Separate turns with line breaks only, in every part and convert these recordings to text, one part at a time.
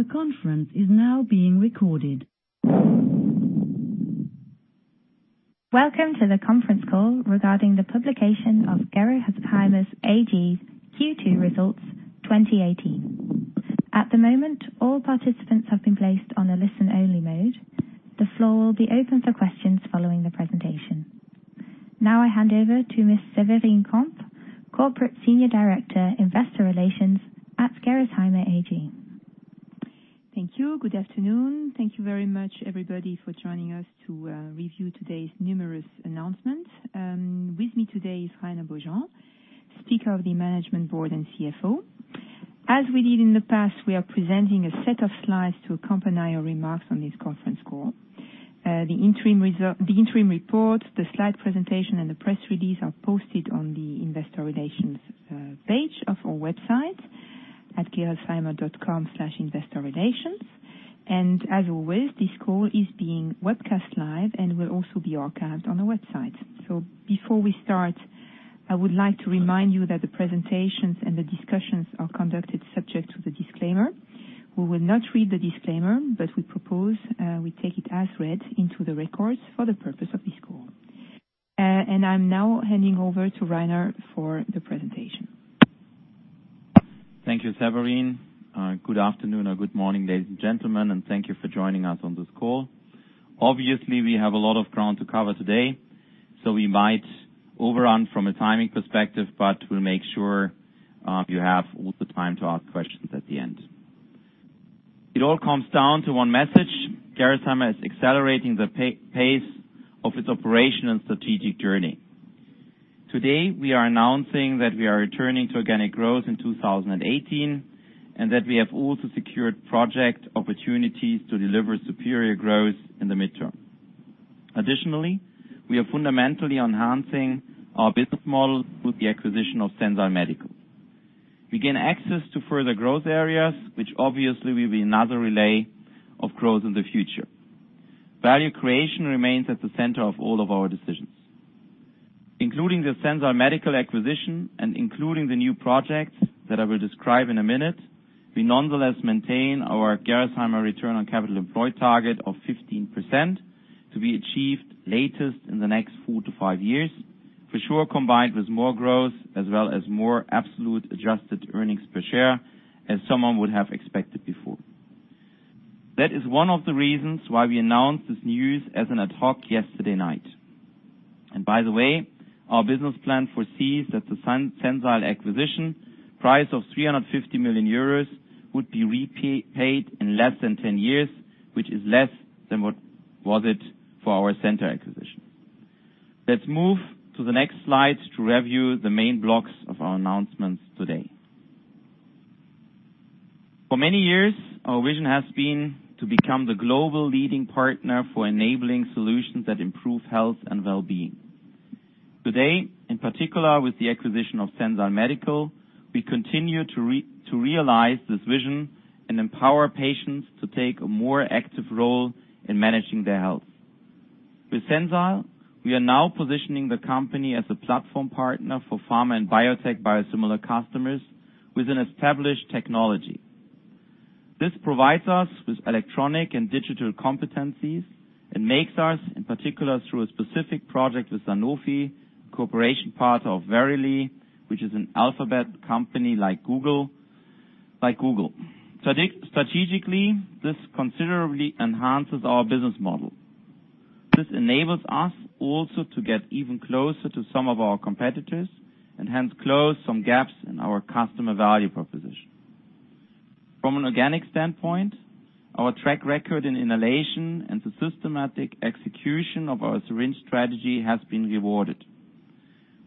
The conference is now being recorded. Welcome to the conference call regarding the publication of Gerresheimer AG's Q2 results 2018. At the moment, all participants have been placed on a listen-only mode. The floor will be open for questions following the presentation. Now I hand over to Ms. Severine Köpp, Corporate Senior Director, Investor Relations at Gerresheimer AG.
Thank you. Good afternoon. Thank you very much, everybody, for joining us to review today's numerous announcements. With me today is Rainer Beaujean, Speaker of the Management Board and CFO. As we did in the past, we are presenting a set of slides to accompany our remarks on this conference call. The interim report, the slide presentation, and the press release are posted on the Investor Relations page of our website at gerresheimer.com/investorrelations. As always, this call is being webcast live and will also be archived on our website. Before we start, I would like to remind you that the presentations and the discussions are conducted subject to the disclaimer. We will not read the disclaimer, but we propose we take it as read into the records for the purpose of this call. I am now handing over to Rainer for the presentation.
Thank you, Severine. Good afternoon or good morning, ladies and gentlemen, and thank you for joining us on this call. Obviously, we have a lot of ground to cover today, we might overrun from a timing perspective, but we will make sure you have all the time to ask questions at the end. It all comes down to one message. Gerresheimer is accelerating the pace of its operational and strategic journey. Today, we are announcing that we are returning to organic growth in 2018 and that we have also secured project opportunities to deliver superior growth in the midterm. Additionally, we are fundamentally enhancing our business model with the acquisition of Sensile Medical. We gain access to further growth areas, which obviously will be another relay of growth in the future. Value creation remains at the center of all of our decisions. Including the Sensile Medical acquisition and including the new projects that I will describe in a minute, we nonetheless maintain our Gerresheimer Return on Capital Employed target of 15% to be achieved latest in the next four to five years, for sure combined with more growth as well as more absolute adjusted Earnings Per Share as someone would have expected before. That is one of the reasons why we announced this news as in ad hoc yesterday night. By the way, our business plan foresees that the Sensile acquisition price of 350 million euros would be repaid in less than 10 years, which is less than what was it for our Centor acquisition. Let us move to the next slide to review the main blocks of our announcements today. For many years, our vision has been to become the global leading partner for enabling solutions that improve health and well-being. Today, in particular with the acquisition of Sensile Medical, we continue to realize this vision and empower patients to take a more active role in managing their health. With Sensile, we are now positioning the company as a platform partner for pharma and biotech biosimilar customers with an established technology. This provides us with electronic and digital competencies and makes us, in particular through a specific project with Sanofi, cooperation part of Verily, which is an Alphabet company like Google. Strategically, this considerably enhances our business model. This enables us also to get even closer to some of our competitors and hence close some gaps in our customer value proposition. From an organic standpoint, our track record in inhalation and the systematic execution of our syringe strategy has been rewarded.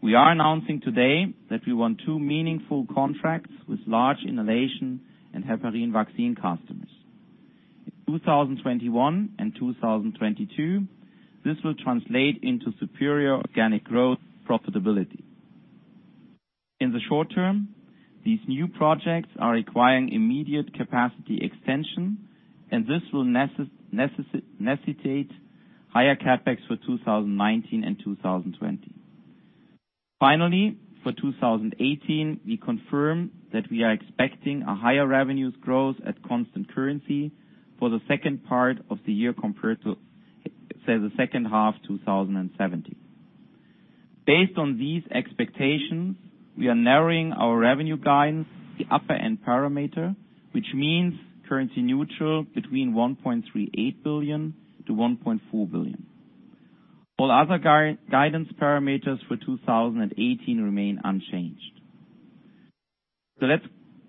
We are announcing today that we won two meaningful contracts with large inhalation and heparin vaccine customers. In 2021 and 2022, this will translate into superior organic growth profitability. In the short term, these new projects are requiring immediate capacity extension, and this will necessitate higher CapEx for 2019 and 2020. Finally, for 2018, we confirm that we are expecting a higher revenues growth at constant currency for the second part of the year compared to, say, the second half 2017. Based on these expectations, we are narrowing our revenue guidance, the upper end parameter, which means currency neutral between 1.38 billion-1.4 billion. All other guidance parameters for 2018 remain unchanged. Let's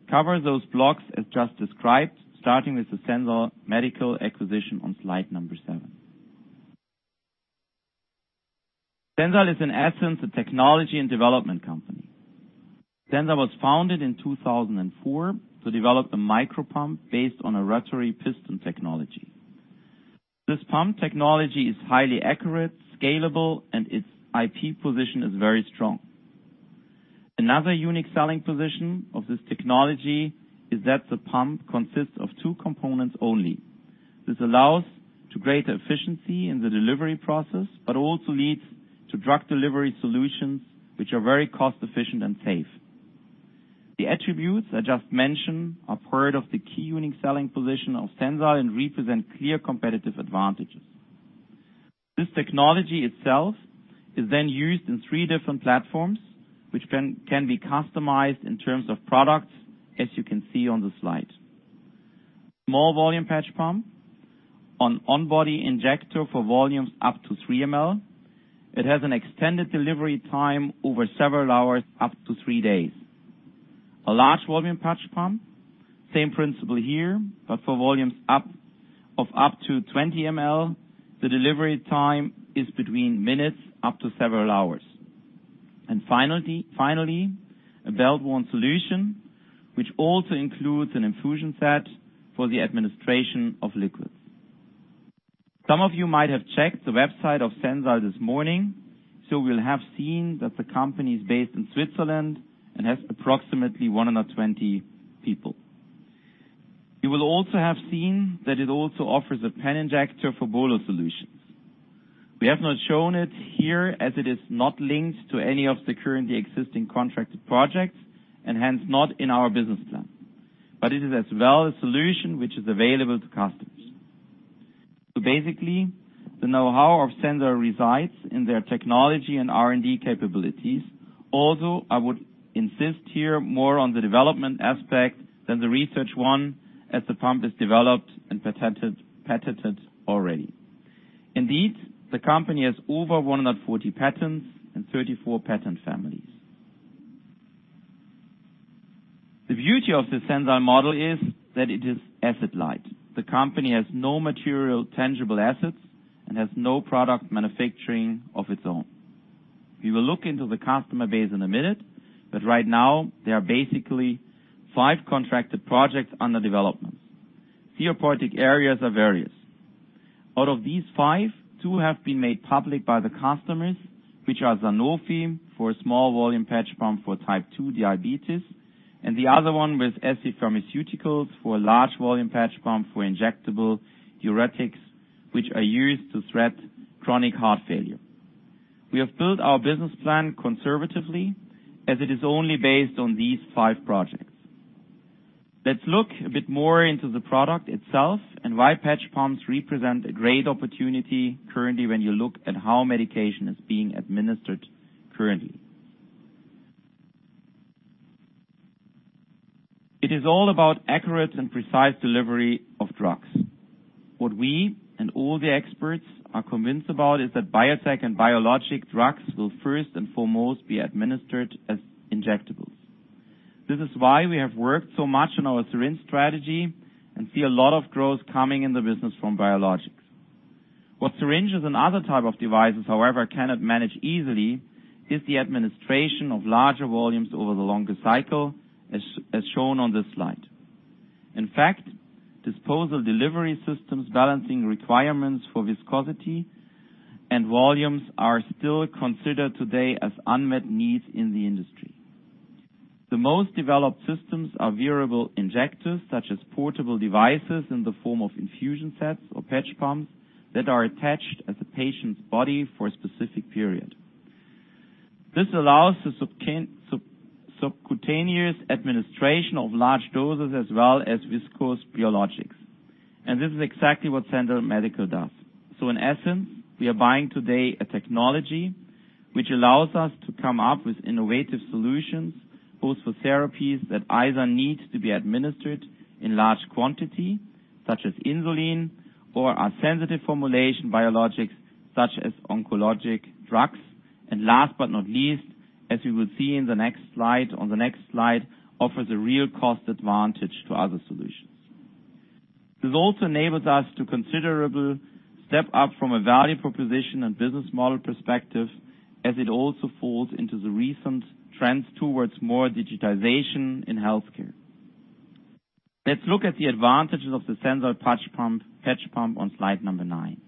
cover those blocks as just described, starting with the Sensile Medical acquisition on slide number seven. Sensile is in essence a technology and development company. Sensile was founded in 2004 to develop a micro pump based on a rotary piston technology. This pump technology is highly accurate, scalable, and its IP position is very strong. Another unique selling position of this technology is that the pump consists of two components only. This allows to greater efficiency in the delivery process, but also leads to drug delivery solutions which are very cost efficient and safe. The attributes I just mentioned are part of the key unique selling position of Sensile and represent clear competitive advantages. This technology itself is then used in three different platforms, which can be customized in terms of products, as you can see on the slide. Small volume patch pump, an on-body injector for volumes up to three ml. It has an extended delivery time over several hours, up to three days. A large volume patch pump, same principle here, but for volumes of up to 20 ml. The delivery time is between minutes up to several hours. Finally, a belt-worn solution, which also includes an infusion set for the administration of liquids. Some of you might have checked the website of Sensile this morning, so will have seen that the company is based in Switzerland and has approximately 120 people. You will also have seen that it also offers a pen injector for bolus solutions. We have not shown it here as it is not linked to any of the currently existing contracted projects, and hence not in our business plan. It is as well a solution which is available to customers. Basically, the know-how of Sensile resides in their technology and R&D capabilities. Although I would insist here more on the development aspect than the research one, as the pump is developed and patented already. Indeed, the company has over 140 patents and 34 patent families. The beauty of the Sensile model is that it is asset light. The company has no material tangible assets and has no product manufacturing of its own. We will look into the customer base in a minute, but right now there are basically five contracted projects under development. Therapeutic areas are various. Out of these five, two have been made public by the customers, which are Sanofi for a small volume patch pump for type 2 diabetes, and the other one with scPharmaceuticals for a large volume patch pump for injectable diuretics, which are used to treat chronic heart failure. We have built our business plan conservatively, as it is only based on these five projects. Let's look a bit more into the product itself and why patch pumps represent a great opportunity currently when you look at how medication is being administered currently. It is all about accurate and precise delivery of drugs. What we and all the experts are convinced about is that biotech and biologic drugs will first and foremost be administered as injectables. This is why we have worked so much on our syringe strategy and see a lot of growth coming in the business from biologics. What syringes and other type of devices, however, cannot manage easily is the administration of larger volumes over the longer cycle, as shown on this slide. In fact, disposable delivery systems balancing requirements for viscosity and volumes are still considered today as unmet needs in the industry. The most developed systems are wearable injectors, such as portable devices in the form of infusion sets or patch pumps that are attached at the patient's body for a specific period. This allows the subcutaneous administration of large doses as well as viscous biologics, and this is exactly what Sensile Medical does. In essence, we are buying today a technology which allows us to come up with innovative solutions, both for therapies that either need to be administered in large quantity, such as insulin or are sensitive formulation biologics such as oncologic drugs. Last but not least, as we will see on the next slide, offers a real cost advantage to other solutions. This also enables us to considerable step up from a value proposition and business model perspective as it also falls into the recent trends towards more digitization in healthcare. Let's look at the advantages of the Sensile patch pump on slide number nine.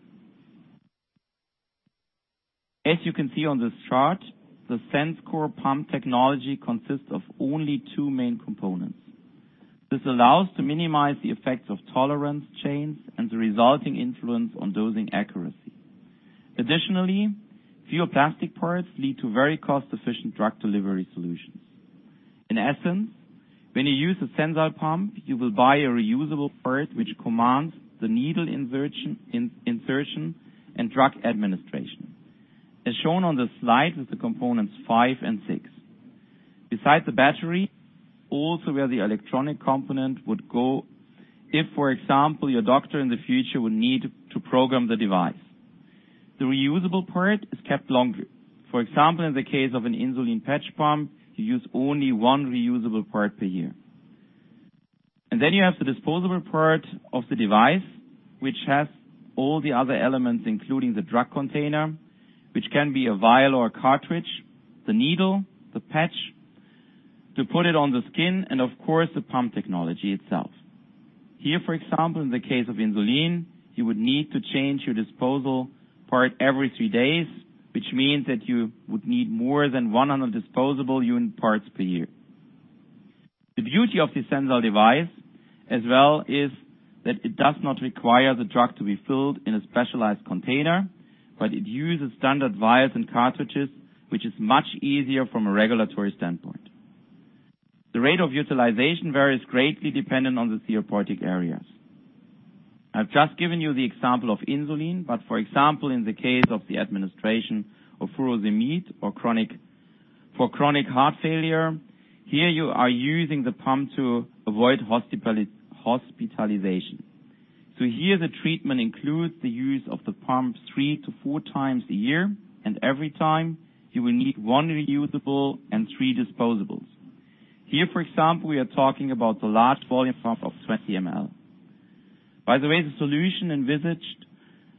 As you can see on this chart, the Sensile pump technology consists of only two main components. This allows to minimize the effects of tolerance chains and the resulting influence on dosing accuracy. Additionally, fewer plastic parts lead to very cost efficient drug delivery solutions. In essence, when you use a Sensile pump, you will buy a reusable part which commands the needle insertion and drug administration, as shown on the slide with the components 5 and 6. Besides the battery, also where the electronic component would go if, for example, your doctor in the future would need to program the device. The reusable part is kept longer. For example, in the case of an insulin patch pump, you use only one reusable part per year. You have the disposable part of the device, which has all the other elements, including the drug container, which can be a vial or a cartridge, the needle, the patch to put it on the skin, and of course, the pump technology itself. Here, for example, in the case of insulin, you would need to change your disposal part every three days, which means that you would need more than 100 disposable unit parts per year. The beauty of the Sensile device as well is that it does not require the drug to be filled in a specialized container, but it uses standard vials and cartridges, which is much easier from a regulatory standpoint. The rate of utilization varies greatly depending on the therapeutic areas. I've just given you the example of insulin, for example, in the case of the administration of furosemide for chronic heart failure, here you are using the pump to avoid hospitalization. Here the treatment includes the use of the pump three to four times a year, and every time you will need one reusable and three disposables. Here, for example, we are talking about the large volume pump of 20 ml. By the way, the solution envisaged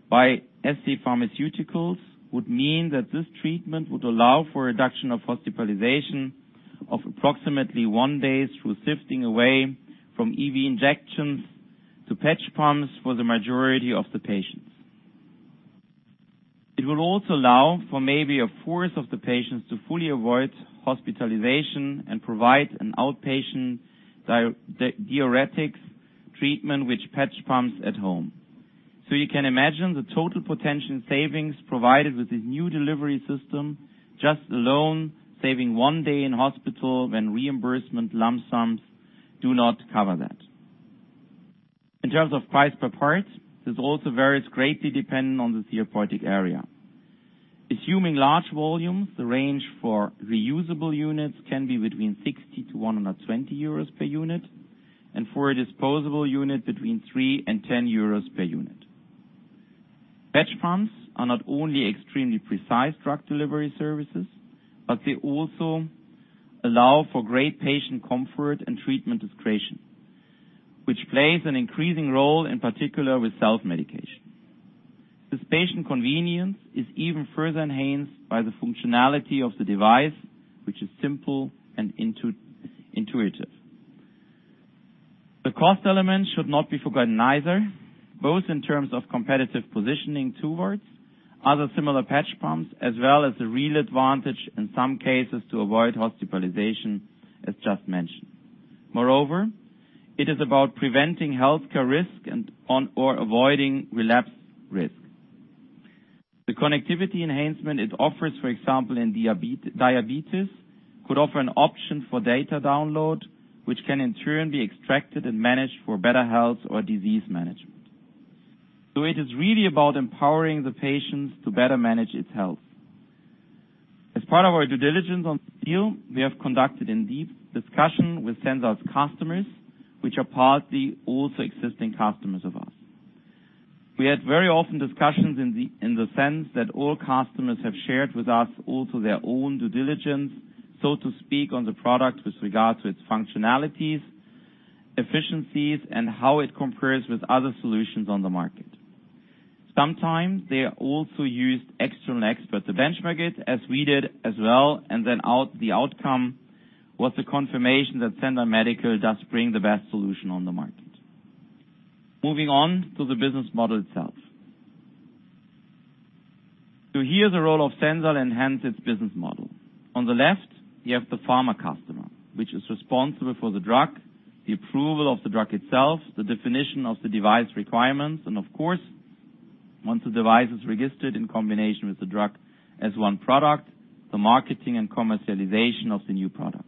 by scPharmaceuticals would mean that this treatment would allow for reduction of hospitalization of approximately one day through sifting away from IV injections to patch pumps for the majority of the patients. It will also allow for maybe a fourth of the patients to fully avoid hospitalization and provide an outpatient diuretic treatment with patch pumps at home. You can imagine the total potential savings provided with this new delivery system, just alone saving one day in hospital when reimbursement lump sums do not cover that. In terms of price per part, this also varies greatly depending on the therapeutic area. Assuming large volumes, the range for reusable units can be between 60-120 euros per unit, and for a disposable unit, between three and 10 euros per unit. Patch pumps are not only extremely precise drug delivery services, but they also allow for great patient comfort and treatment discretion, which plays an increasing role, in particular with self-medication. This patient convenience is even further enhanced by the functionality of the device, which is simple and intuitive. The cost element should not be forgotten either, both in terms of competitive positioning towards other similar patch pumps, as well as the real advantage, in some cases, to avoid hospitalization, as just mentioned. Moreover, it is about preventing healthcare risk and/or avoiding relapse risk. The connectivity enhancement it offers, for example, in diabetes, could offer an option for data download, which can in turn be extracted and managed for better health or disease management. It is really about empowering the patients to better manage its health. As part of our due diligence on this deal, we have conducted in-depth discussion with Sensile's customers, which are partly also existing customers of ours. We had very often discussions in the sense that all customers have shared with us also their own due diligence, so to speak, on the product with regard to its functionalities, efficiencies, and how it compares with other solutions on the market. Sometimes they also used external experts to benchmark it, as we did as well, and then the outcome was the confirmation that Sensile Medical does bring the best solution on the market. Moving on to the business model itself. Here, the role of Sensile enhances business model. On the left, you have the pharma customer, which is responsible for the drug, the approval of the drug itself, the definition of the device requirements, and of course, once the device is registered in combination with the drug as one product, the marketing and commercialization of the new product.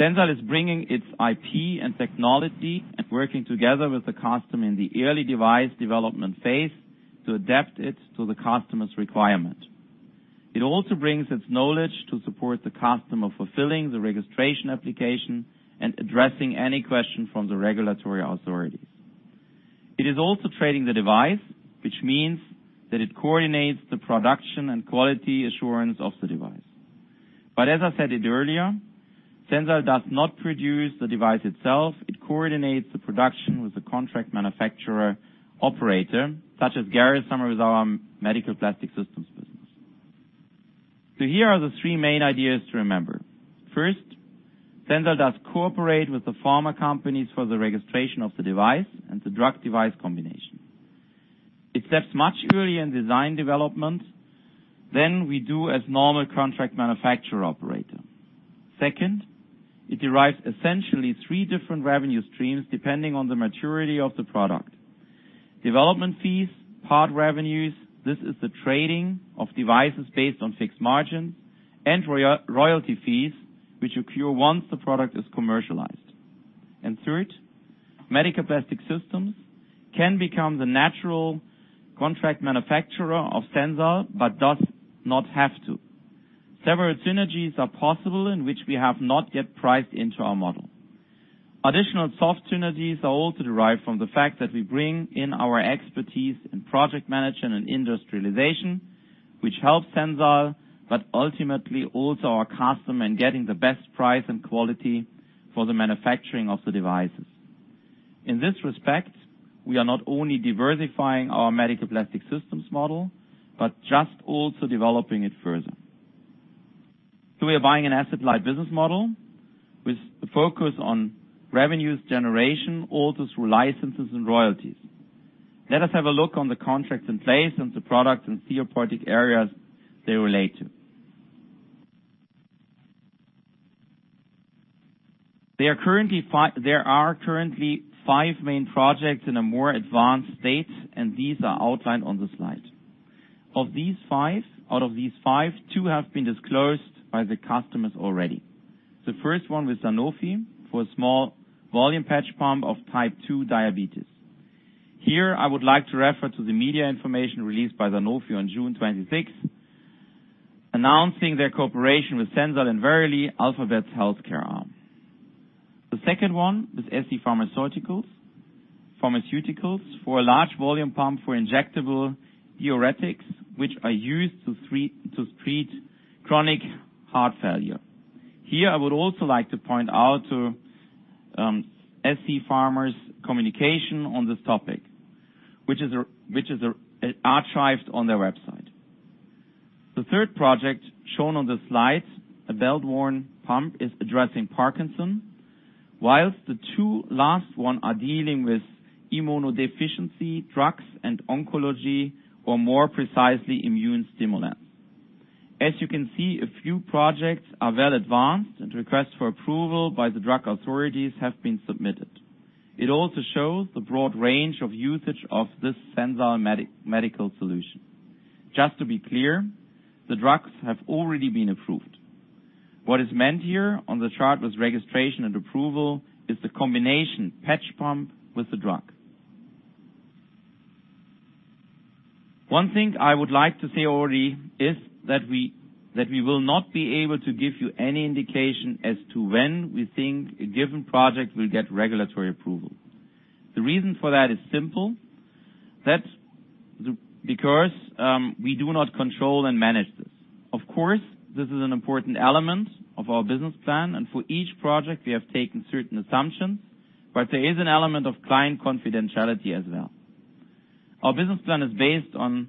Sensile is bringing its IP and technology and working together with the customer in the early device development phase to adapt it to the customer's requirement. It also brings its knowledge to support the customer fulfilling the registration application and addressing any question from the regulatory authorities. It is also trading the device, which means that it coordinates the production and quality assurance of the device. As I said it earlier, Sensile does not produce the device itself. It coordinates the production with the contract manufacturer operator, such as Gerresheimer with our Medical Plastic Systems business. Here are the three main ideas to remember. First, Sensile does cooperate with the pharma companies for the registration of the device and the drug device combination. It steps much earlier in design development than we do as normal contract manufacturer operator. Second, it derives essentially three different revenue streams depending on the maturity of the product. Development fees, part revenues, this is the trading of devices based on fixed margins, and royalty fees, which occur once the product is commercialized. Third, Medical Plastic Systems can become the natural contract manufacturer of Sensile but does not have to. Several synergies are possible in which we have not yet priced into our model. Additional soft synergies are also derived from the fact that we bring in our expertise in project management and industrialization, which helps Sensile, but ultimately also our customer in getting the best price and quality for the manufacturing of the devices. In this respect, we are not only diversifying our Medical Plastic Systems model, but just also developing it further. We are buying an asset-light business model with the focus on revenues generation, all through licenses and royalties. Let us have a look on the contracts in place and the products and therapeutic areas they relate to. There are currently five main projects in a more advanced state, and these are outlined on the slide. Out of these five, two have been disclosed by the customers already. The first one with Sanofi, for a small volume patch pump of type 2 diabetes. Here, I would like to refer to the media information released by Sanofi on June 26th, announcing their cooperation with Sensile and Verily, Alphabet's healthcare arm. The second one is scPharmaceuticals, for a large volume pump for injectable diuretics, which are used to treat chronic heart failure. Here, I would also like to point out to scPharmaceuticals' communication on this topic, which is archived on their website. The third project shown on the slide, a belt-worn pump, is addressing Parkinson's, whilst the two last ones are dealing with immunodeficiency, drugs, and oncology, or more precisely, immune stimulants. As you can see, a few projects are well advanced, and requests for approval by the drug authorities have been submitted. It also shows the broad range of usage of this Sensile Medical solution. Just to be clear, the drugs have already been approved. What is meant here on the chart with registration and approval is the combination patch pump with the drug. One thing I would like to say already is that we will not be able to give you any indication as to when we think a given project will get regulatory approval. The reason for that is simple. That's because we do not control and manage this. Of course, this is an important element of our business plan, and for each project, we have taken certain assumptions, but there is an element of client confidentiality as well. Our business plan is based on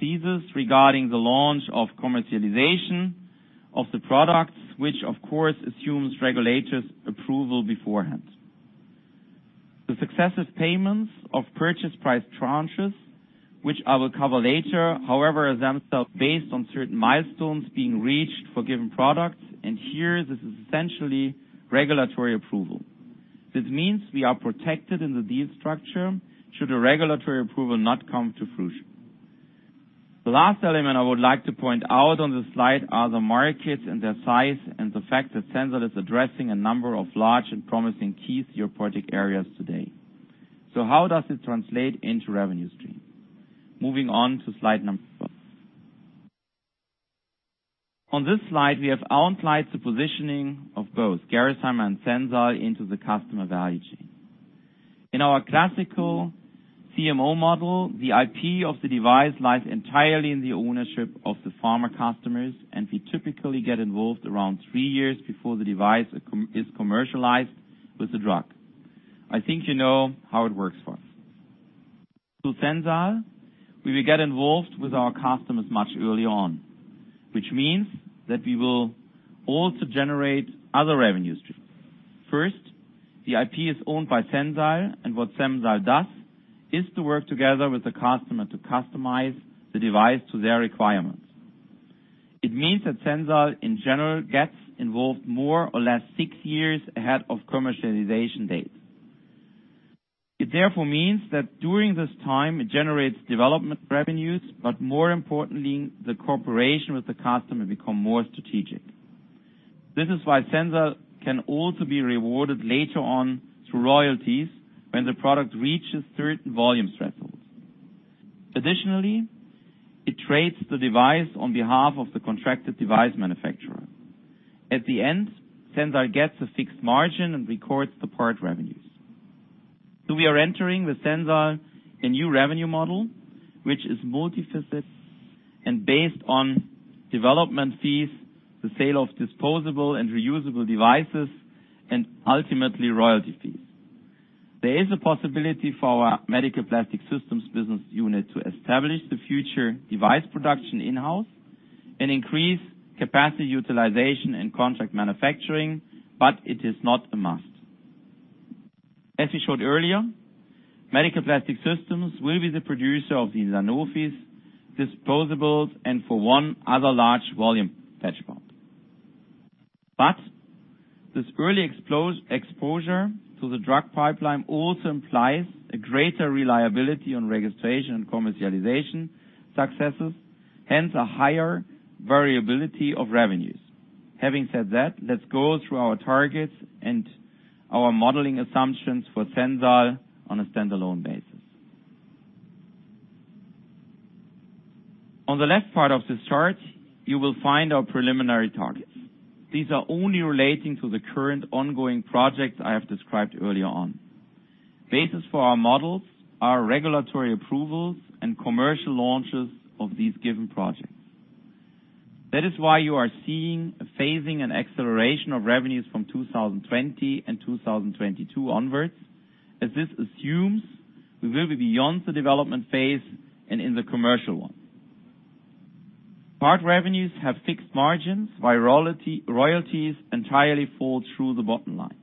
thesis regarding the launch of commercialization of the products, which, of course, assumes regulators approval beforehand. The successive payments of purchase price tranches, which I will cover later, however, are themselves based on certain milestones being reached for given products and here, this is essentially regulatory approval. This means we are protected in the deal structure should a regulatory approval not come to fruition. The last element I would like to point out on the slide are the markets and their size and the fact that Sensile is addressing a number of large and promising key therapeutic areas today. How does it translate into revenue stream? Moving on to slide 4. On this slide, we have outlined the positioning of both Gerresheimer and Sensile into the customer value chain. In our classical CMO model, the IP of the device lies entirely in the ownership of the pharma customers, and we typically get involved around three years before the device is commercialized with the drug. I think you know how it works for us. Through Sensile, we will get involved with our customers much early on, which means that we will also generate other revenue streams. First, the IP is owned by Sensile, and what Sensile does is to work together with the customer to customize the device to their requirements. It means that Sensile, in general, gets involved more or less six years ahead of commercialization date. It therefore means that during this time, it generates development revenues, but more importantly, the cooperation with the customer become more strategic. This is why Sensile can also be rewarded later on through royalties when the product reaches certain volume thresholds. Additionally, it trades the device on behalf of the contracted device manufacturer. At the end, Sensile gets a fixed margin and records the part revenues. We are entering with Sensile a new revenue model, which is multifaceted and based on development fees, the sale of disposable and reusable devices, and ultimately, royalty fees. There is a possibility for our Medical Plastic Systems business unit to establish the future device production in-house and increase capacity utilization and contract manufacturing, but it is not a must. As we showed earlier, Medical Plastic Systems will be the producer of the Sanofi's disposables and for one other large volume patch pump. This early exposure to the drug pipeline also implies a greater reliability on registration and commercialization successes, hence a higher variability of revenues. Having said that, let's go through our targets and our modeling assumptions for Sensile on a standalone basis. On the left part of this chart, you will find our preliminary targets. These are only relating to the current ongoing projects I have described earlier on. Basis for our models are regulatory approvals and commercial launches of these given projects. That is why you are seeing a phasing and acceleration of revenues from 2020 and 2022 onwards. As this assumes we will be beyond the development phase and in the commercial one. Part revenues have fixed margins, royalties entirely fall through the bottom line.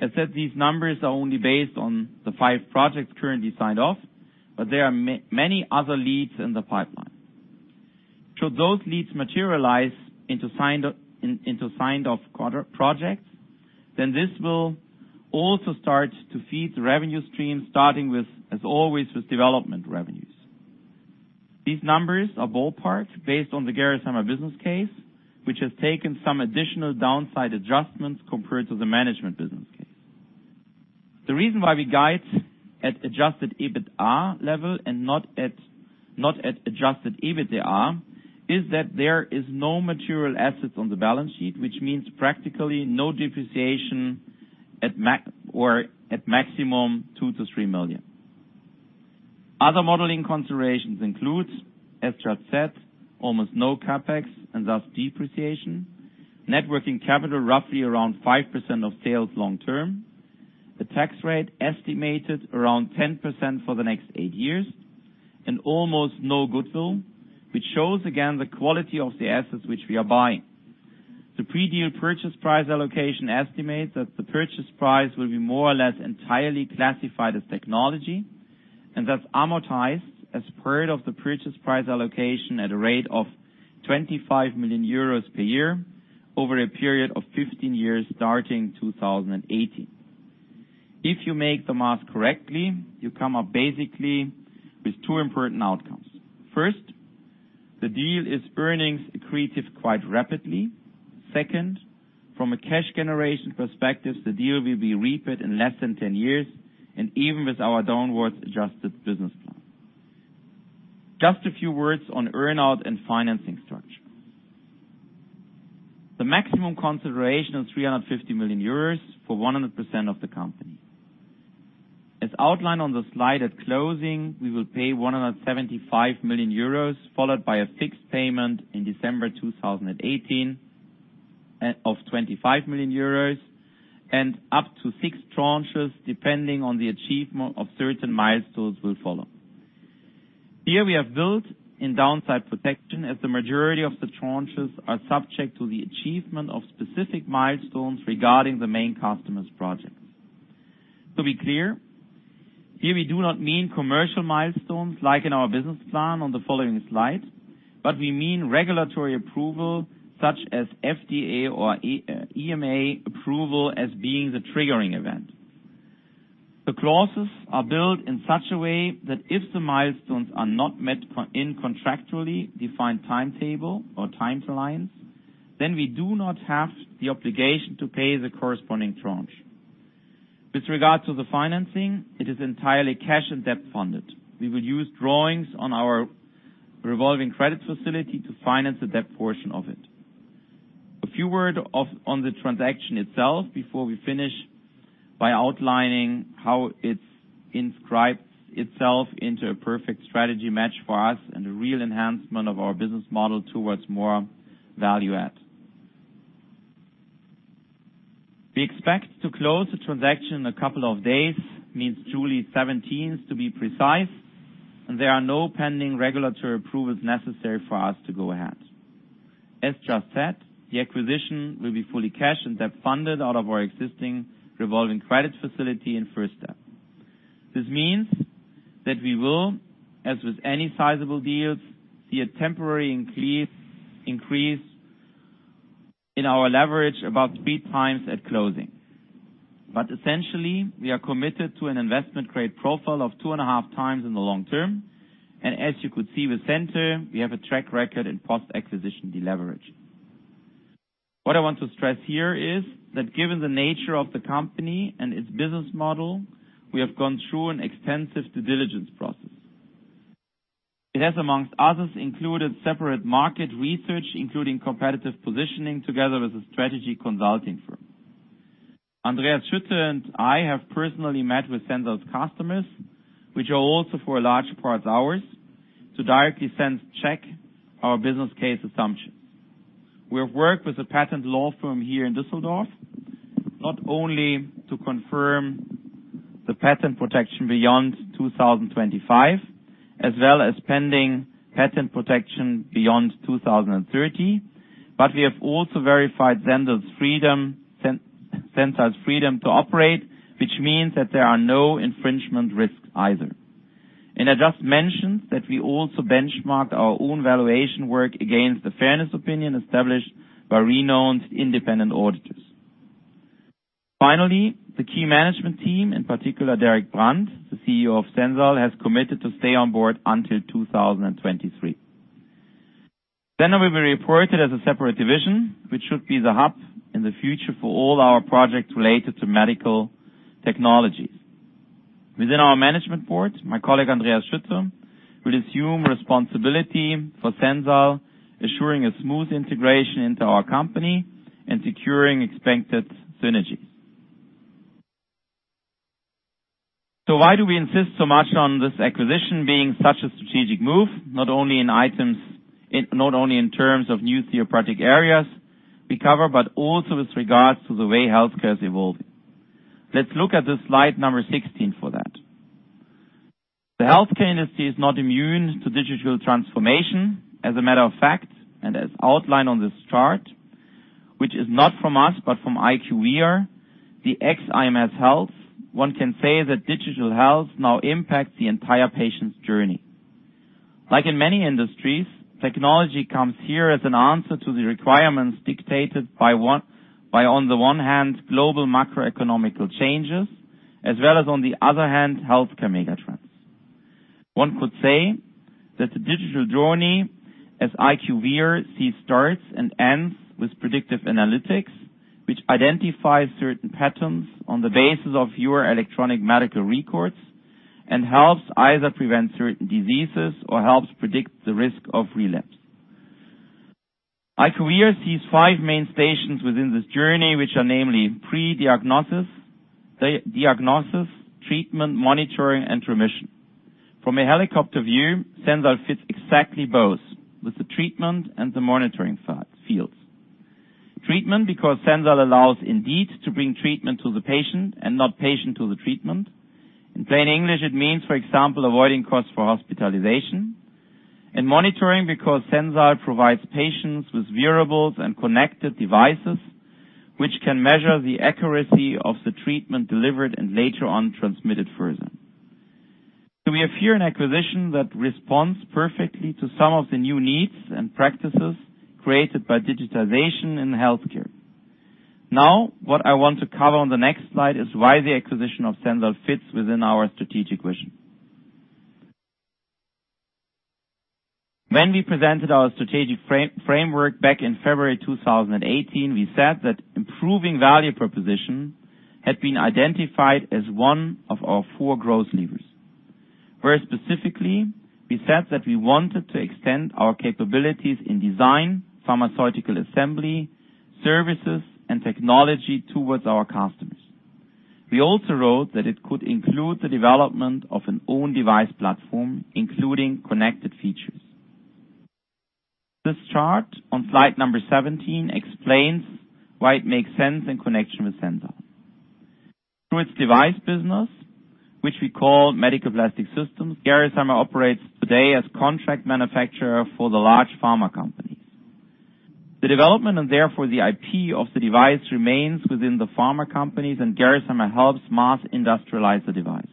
As said, these numbers are only based on the five projects currently signed off, but there are many other leads in the pipeline. Should those leads materialize into signed-off contract projects, then this will also start to feed the revenue stream, starting with, as always, with development revenues. These numbers are ballpark based on the Gerresheimer business case, which has taken some additional downside adjustments compared to the management business case. The reason why we guide at adjusted EBITDA level and not at adjusted EBITDAR is that there is no material assets on the balance sheet, which means practically no depreciation or at maximum two to three million. Other modeling considerations include, as just said, almost no CapEx and thus depreciation. Net working capital roughly around 5% of sales long term. The tax rate estimated around 10% for the next eight years, and almost no goodwill, which shows again the quality of the assets which we are buying. The pre-deal purchase price allocation estimates that the purchase price will be more or less entirely classified as technology, and thus amortized as part of the purchase price allocation at a rate of 25 million euros per year over a period of 15 years, starting 2018. If you make the math correctly, you come up basically with two important outcomes. First, the deal is earnings accretive quite rapidly. Second, from a cash generation perspective, the deal will be repaid in less than 10 years and even with our downwards adjusted business plan. Just a few words on earn out and financing structure. The maximum consideration of 350 million euros for 100% of the company. As outlined on the slide at closing, we will pay 175 million euros followed by a fixed payment in December 2018 of 25 million euros and up to six tranches, depending on the achievement of certain milestones will follow. Here we have built in downside protection as the majority of the tranches are subject to the achievement of specific milestones regarding the main customer's projects. To be clear, here we do not mean commercial milestones like in our business plan on the following slide, but we mean regulatory approval such as FDA or EMA approval as being the triggering event. The clauses are built in such a way that if the milestones are not met in contractually defined timetable or timelines, we do not have the obligation to pay the corresponding tranche. With regard to the financing, it is entirely cash and debt funded. We will use drawings on our revolving credit facility to finance the debt portion of it. A few words on the transaction itself before we finish by outlining how it inscribes itself into a perfect strategy match for us and a real enhancement of our business model towards more value add. We expect to close the transaction in a couple of days, means July 17th to be precise, and there are no pending regulatory approvals necessary for us to go ahead. As just said, the acquisition will be fully cash and debt funded out of our existing revolving credit facility in first step. This means that we will, as with any sizable deals, see a temporary increase in our leverage about 3 times at closing. Essentially, we are committed to an investment-grade profile of 2.5 times in the long term. As you could see with Sensile, we have a track record in post-acquisition deleverage. What I want to stress here is that given the nature of the company and its business model, we have gone through an extensive due diligence process. It has, amongst others, included separate market research, including competitive positioning together with a strategy consulting firm. Andreas Schütte and I have personally met with Sensile customers, which are also for a large part ours, to directly check our business case assumptions. We have worked with a patent law firm here in Düsseldorf, not only to confirm the patent protection beyond 2025, as well as pending patent protection beyond 2030, but we have also verified Sensile's freedom to operate, which means that there are no infringement risks either. I just mentioned that we also benchmarked our own valuation work against the fairness opinion established by renowned independent auditors. Finally, the key management team, in particular, Derek Brandt, the CEO of Sensile, has committed to stay on board until 2023. Sensile will be reported as a separate division, which should be the hub in the future for all our projects related to medical technologies. Within our management board, my colleague, Andreas Schütte, will assume responsibility for Sensile, assuring a smooth integration into our company and securing expected synergies. Why do we insist so much on this acquisition being such a strategic move, not only in terms of new therapeutic areas we cover, but also with regards to the way healthcare is evolving. Let's look at the slide number 16 for that. The healthcare industry is not immune to digital transformation. As a matter of fact, as outlined on this chart, which is not from us but from IQVIA, the ex IMS Health, one can say that digital health now impacts the entire patient's journey. Like in many industries, technology comes here as an answer to the requirements dictated by, on the one hand, global macroeconomic changes, as well as, on the other hand, healthcare mega trends. One could say that the digital journey, as IQVIA sees, starts and ends with predictive analytics, which identifies certain patterns on the basis of your electronic medical records and helps either prevent certain diseases or helps predict the risk of relapse. IQVIA sees five main stations within this journey, which are namely pre-diagnosis, diagnosis, treatment, monitoring, and remission. From a helicopter view, Sensile fits exactly both with the treatment and the monitoring fields. Treatment because Sensile allows indeed to bring treatment to the patient and not patient to the treatment. In plain English, it means, for example, avoiding costs for hospitalization and monitoring because Sensile provides patients with wearables and connected devices which can measure the accuracy of the treatment delivered and later on transmitted further. We have here an acquisition that responds perfectly to some of the new needs and practices created by digitization in healthcare. What I want to cover on the next slide is why the acquisition of Sensile fits within our strategic vision. When we presented our strategic framework back in February 2018, we said that improving value proposition had been identified as one of our four growth levers. Very specifically, we said that we wanted to extend our capabilities in design, pharmaceutical assembly, services, and technology towards our customers. We also wrote that it could include the development of an own device platform, including connected features. This chart on slide number 17 explains why it makes sense in connection with Sensile. Through its device business, which we call Medical Plastic Systems, Gerresheimer operates today as contract manufacturer for the large pharma companies. The development and therefore the IP of the device remains within the pharma companies, and Gerresheimer helps mass industrialize the device.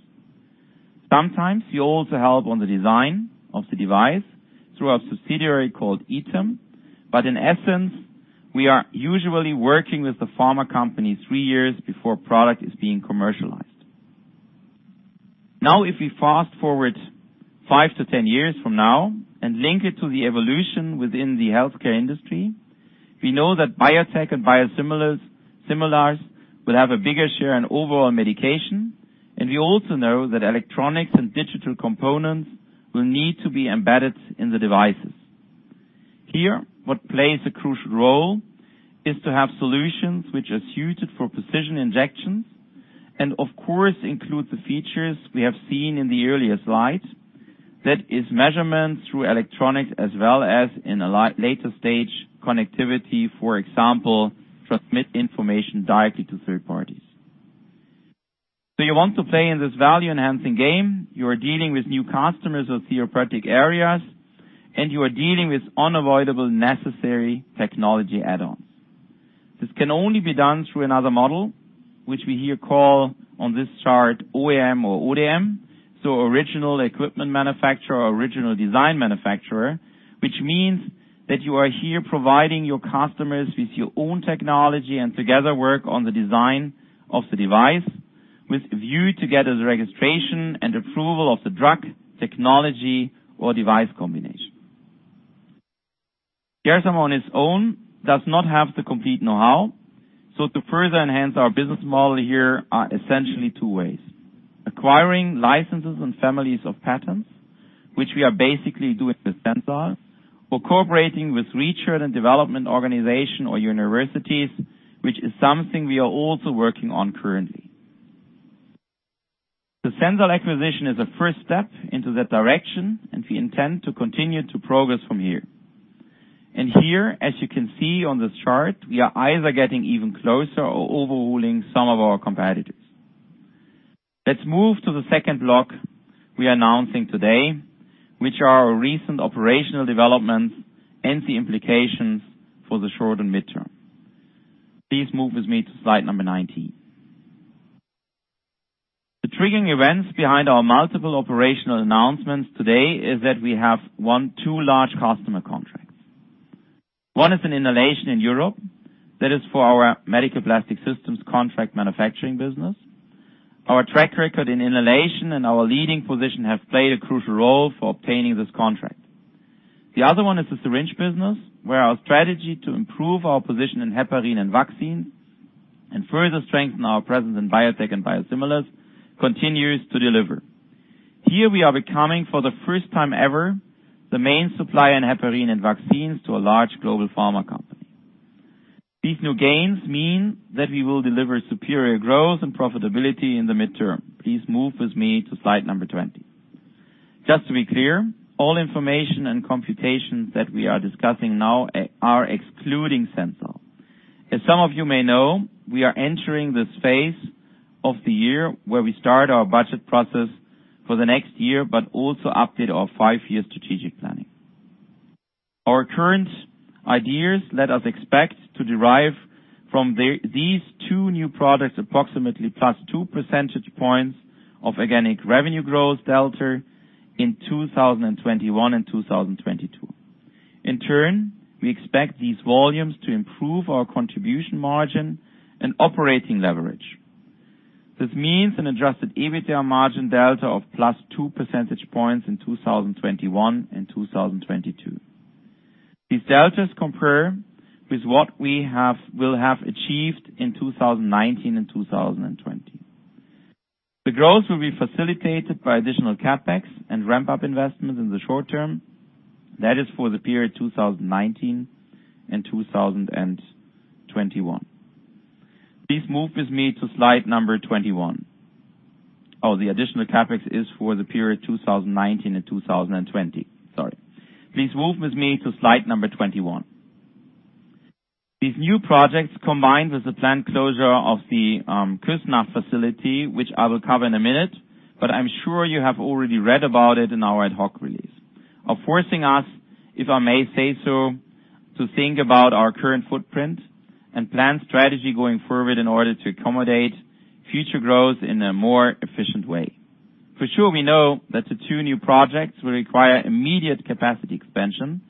We also help on the design of the device through a subsidiary called item, but in essence, we are usually working with the pharma company three years before product is being commercialized. If we fast-forward five to 10 years from now and link it to the evolution within the healthcare industry, we know that biotech and biosimilars will have a bigger share in overall medication, and we also know that electronics and digital components will need to be embedded in the devices. What plays a crucial role is to have solutions which are suited for precision injections and of course, include the features we have seen in the earlier slides. That is measurements through electronics as well as in a later stage connectivity, for example, transmit information directly to third parties. You want to play in this value-enhancing game, you are dealing with new customers of therapeutic areas, and you are dealing with unavoidable necessary technology add-ons. This can only be done through another model, which we here call on this chart OEM or ODM. Original equipment manufacturer or original design manufacturer, which means that you are here providing your customers with your own technology and together work on the design of the device with a view to get the registration and approval of the drug, technology or device combination. Gerresheimer on its own does not have the complete know-how. To further enhance our business model here are essentially two ways. Acquiring licenses and families of patents, which we are basically doing with Sensile or cooperating with research and development organization or universities, which is something we are also working on currently. The Sensile acquisition is a first step into that direction, and we intend to continue to progress from here. Here, as you can see on this chart, we are either getting even closer or overruling some of our competitors. Let's move to the second block we are announcing today, which are our recent operational developments and the implications for the short and midterm. Please move with me to slide number 19. The triggering events behind our multiple operational announcements today is that we have won two large customer contracts. One is an inhalation in Europe that is for our Medical Plastic Systems contract manufacturing business. Our track record in inhalation and our leading position have played a crucial role for obtaining this contract. The other one is the syringe business, where our strategy to improve our position in heparin and vaccines and further strengthen our presence in biotech and biosimilars continues to deliver. Here we are becoming, for the first time ever, the main supplier in heparin and vaccines to a large global pharma company. These new gains mean that we will deliver superior growth and profitability in the midterm. Please move with me to slide number 20. Just to be clear, all information and computations that we are discussing now are excluding Sensile. As some of you may know, we are entering this phase of the year where we start our budget process for the next year, but also update our five-year strategic planning. Our current ideas let us expect to derive from these two new products approximately plus two percentage points of organic revenue growth delta in 2021 and 2022. In turn, we expect these volumes to improve our contribution margin and operating leverage. This means an adjusted EBITDA margin delta of plus two percentage points in 2021 and 2022. These deltas compare with what we will have achieved in 2019 and 2020. The growth will be facilitated by additional CapEx and ramp-up investment in the short term. That is for the period 2019 and 2021. Please move with me to slide number 21. Oh, the additional CapEx is for the period 2019 and 2020, sorry. Please move with me to slide number 21. These new projects, combined with the planned closure of the Küsnacht facility, which I will cover in a minute, but I'm sure you have already read about it in our ad hoc release, are forcing us, if I may say so, to think about our current footprint and plan strategy going forward in order to accommodate future growth in a more efficient way. For sure, we know that the two new projects will require immediate capacity expansion.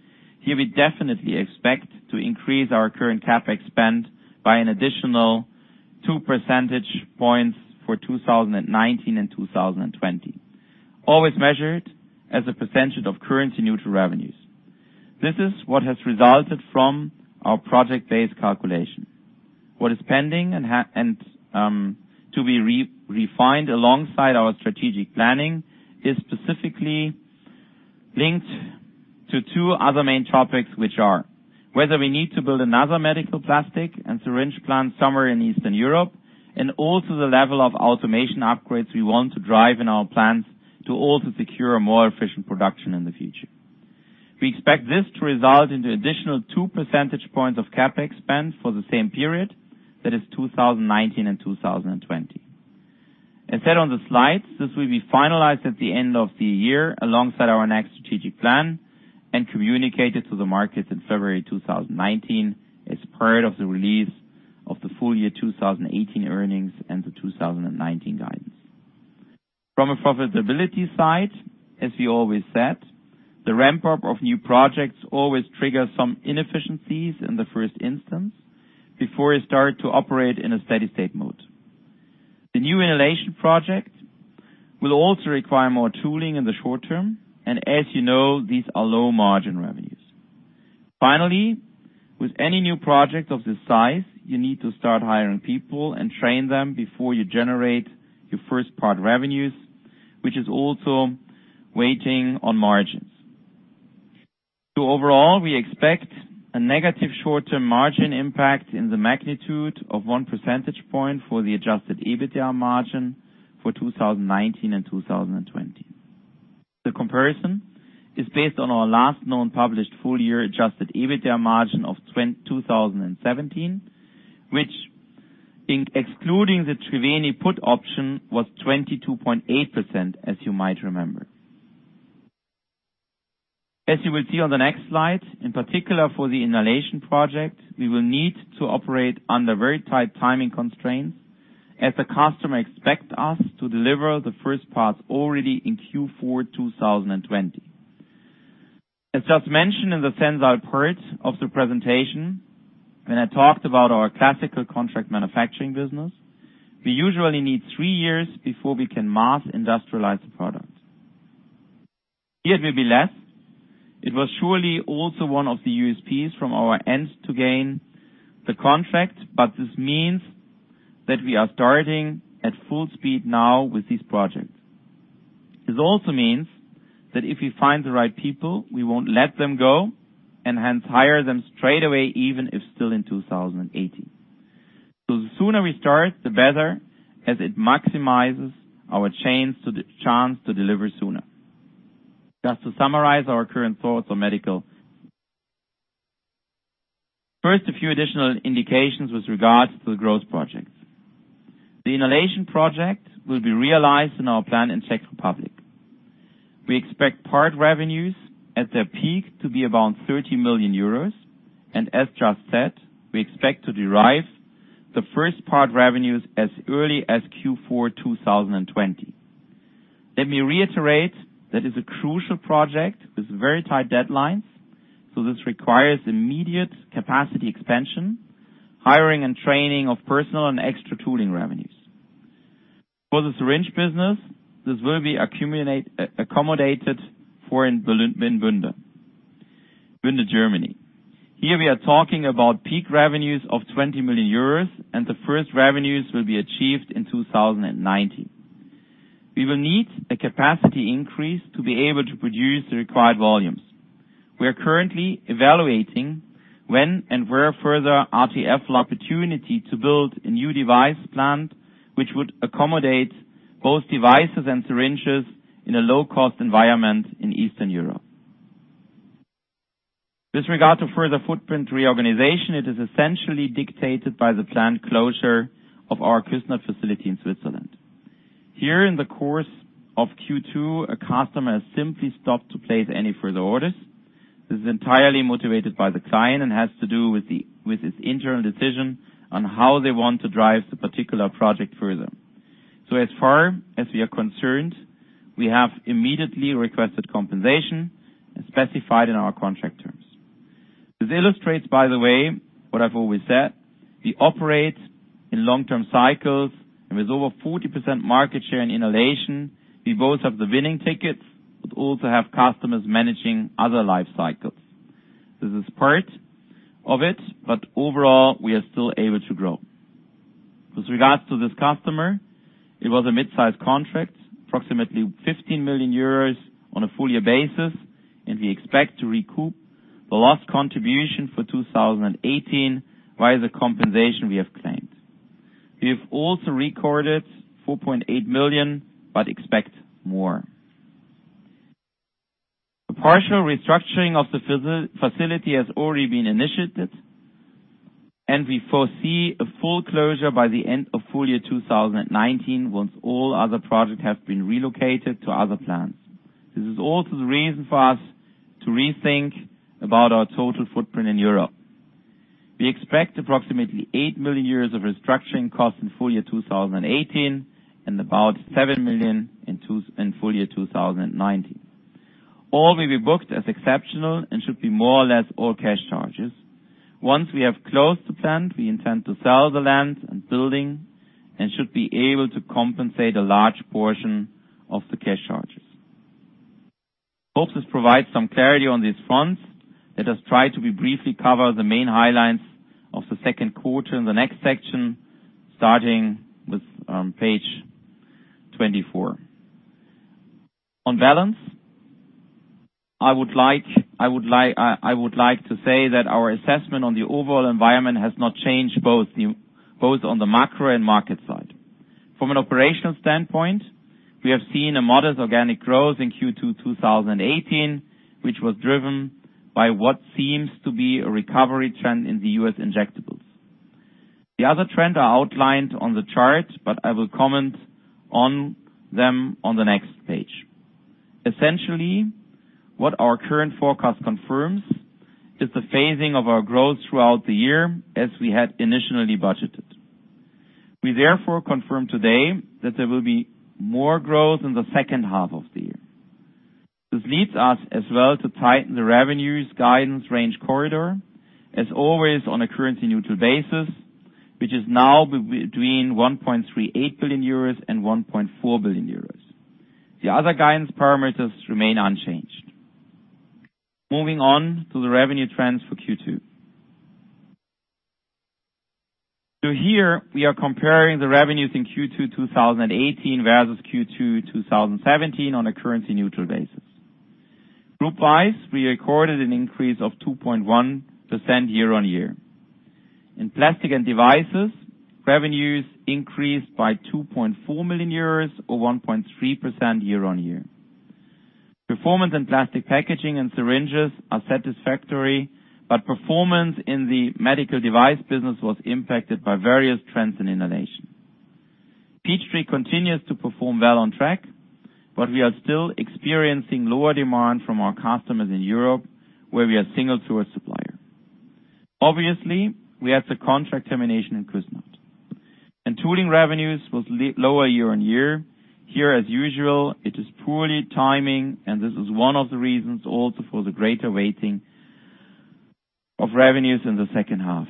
Here we definitely expect to increase our current CapEx spend by an additional two percentage points for 2019 and 2020, always measured as a percentage of currency-neutral revenues. This is what has resulted from our project-based calculation. What is pending and to be refined alongside our strategic planning is specifically linked to two other main topics, which are whether we need to build another medical plastic and syringe plant somewhere in Eastern Europe, and also the level of automation upgrades we want to drive in our plants to also secure a more efficient production in the future. We expect this to result in the additional two percentage points of CapEx spend for the same period, that is 2019 and 2020. As said on the slides, this will be finalized at the end of the year alongside our next strategic plan and communicated to the markets in February 2019 as part of the release of the full year 2018 earnings and the 2019 guidance. From a profitability side, as we always said, the ramp-up of new projects always triggers some inefficiencies in the first instance before you start to operate in a steady state mode. The new inhalation project will also require more tooling in the short term, and as you know, these are low-margin revenues. Finally, with any new project of this size, you need to start hiring people and train them before you generate your first part revenues, which is also weighing on margins. Overall, we expect a negative short-term margin impact in the magnitude of one percentage point for the adjusted EBITDA margin for 2019 and 2020. The comparison is based on our last known published full-year adjusted EBITDA margin of 2017, which in excluding the Triveni put option was 22.8%, as you might remember. As you will see on the next slide, in particular for the inhalation project, we will need to operate under very tight timing constraints as the customer expects us to deliver the first parts already in Q4 2020. As just mentioned in the Sensile part of the presentation, when I talked about our classical contract manufacturing business, we usually need three years before we can mass industrialize a product. Here it will be less. It was surely also one of the USPs from our end to gain the contract, but this means that we are starting at full speed now with these projects. This also means that if we find the right people, we won't let them go and hence hire them straight away, even if still in 2018. The sooner we start, the better, as it maximizes our chance to deliver sooner. Just to summarize our current thoughts on medical. First, a few additional indications with regards to the growth projects. The inhalation project will be realized in our plant in Czech Republic. We expect part revenues at their peak to be around 30 million euros, and as just said, we expect to derive the first part revenues as early as Q4 2020. Let me reiterate, that is a crucial project with very tight deadlines. This requires immediate capacity expansion, hiring and training of personnel, and extra tooling revenues. For the syringe business, this will be accommodated for in Bünde, Germany. Here we are talking about peak revenues of 20 million euros, and the first revenues will be achieved in 2019. We will need a capacity increase to be able to produce the required volumes. We are currently evaluating when and where further RTF opportunity to build a new device plant, which would accommodate both devices and syringes in a low-cost environment in Eastern Europe. With regard to further footprint reorganization, it is essentially dictated by the planned closure of our Küsnacht facility in Switzerland. Here, in the course of Q2, a customer has simply stopped to place any further orders. This is entirely motivated by the client and has to do with its internal decision on how they want to drive the particular project further. As far as we are concerned, we have immediately requested compensation as specified in our contract terms. This illustrates, by the way, what I've always said, we operate in long-term cycles, and with over 40% market share in inhalation, we both have the winning ticket, but also have customers managing other life cycles. This is part of it, but overall, we are still able to grow. With regards to this customer, it was a midsize contract, approximately 15 million euros on a full-year basis, and we expect to recoup the lost contribution for 2018 via the compensation we have claimed. We have also recorded 4.8 million, but expect more. A partial restructuring of the facility has already been initiated, and we foresee a full closure by the end of FY 2019, once all other projects have been relocated to other plants. This is also the reason for us to rethink about our total footprint in Europe. We expect approximately 8 million euros of restructuring costs in FY 2018 and about 7 million in FY 2019. All will be booked as exceptional and should be more or less all cash charges. Once we have closed the plant, we intend to sell the land and building and should be able to compensate a large portion of the cash charges. I hope this provides some clarity on these fronts. Let us try to briefly cover the main highlights of the second quarter in the next section, starting with page 24. On balance, I would like to say that our assessment on the overall environment has not changed, both on the macro and market side. From an operational standpoint, we have seen a modest organic growth in Q2 2018, which was driven by what seems to be a recovery trend in the U.S. injectables. The other trends are outlined on the chart, but I will comment on them on the next page. Essentially, what our current forecast confirms is the phasing of our growth throughout the year as we had initially budgeted. We therefore confirm today that there will be more growth in the second half of the year. This leads us as well to tighten the revenues guidance range corridor as always on a currency-neutral basis, which is now between 1.38 billion euros and 1.4 billion euros. The other guidance parameters remain unchanged. Moving on to the revenue trends for Q2. Here, we are comparing the revenues in Q2 2018 versus Q2 2017 on a currency-neutral basis. Group-wise, we recorded an increase of 2.1% year-over-year. In Plastics & Devices, revenues increased by 2.4 million euros or 1.3% year-over-year. Performance in Plastic Packaging and Syringes are satisfactory, but performance in the medical device business was impacted by various trends in inhalation. Peachtree continues to perform well on track, but we are still experiencing lower demand from our customers in Europe, where we are single-source supplier. Obviously, we had the contract termination in Küsnacht. Tooling revenues was lower year-over-year. Here, as usual, it is poor timing, and this is one of the reasons also for the greater weighting of revenues in the second half.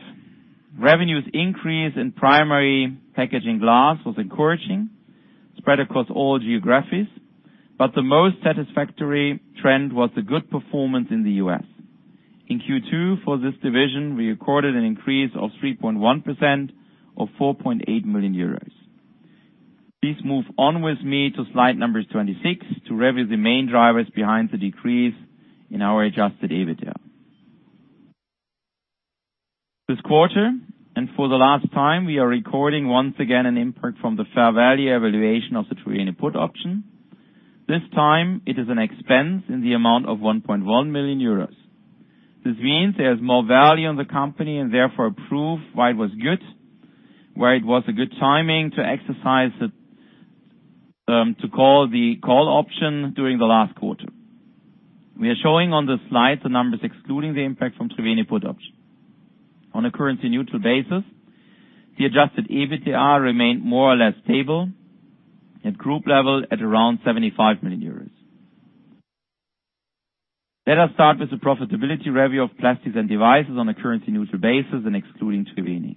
Revenues increase in Primary Packaging Glass was encouraging, spread across all geographies, but the most satisfactory trend was the good performance in the U.S. In Q2, for this division, we recorded an increase of 3.1% or 4.8 million euros. Please move on with me to slide 26 to review the main drivers behind the decrease in our adjusted EBITDA. This quarter, and for the last time, we are recording once again an impact from the fair value evaluation of the Triveni put option. This time it is an expense in the amount of 1.1 million euros. This means there's more value in the company, and therefore a proof why it was a good timing to call the call option during the last quarter. We are showing on the slide the numbers excluding the impact from Triveni put option. On a currency-neutral basis, the adjusted EBITDA remained more or less stable at group level at around 75 million euros. Let us start with the profitability review of Plastics & Devices on a currency-neutral basis and excluding Triveni.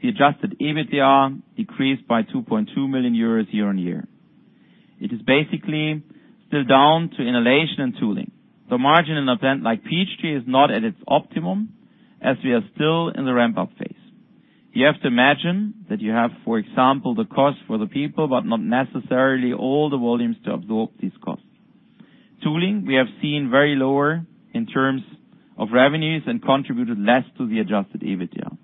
The adjusted EBITDA decreased by 2.2 million euros year-on-year. It is basically still down to inhalation and tooling. The margin in event like Peachtree is not at its optimum, as we are still in the ramp-up phase. You have to imagine that you have, for example, the cost for the people, but not necessarily all the volumes to absorb these costs. Tooling we have seen very lower in terms of revenues and contributed less to the adjusted EBITDA.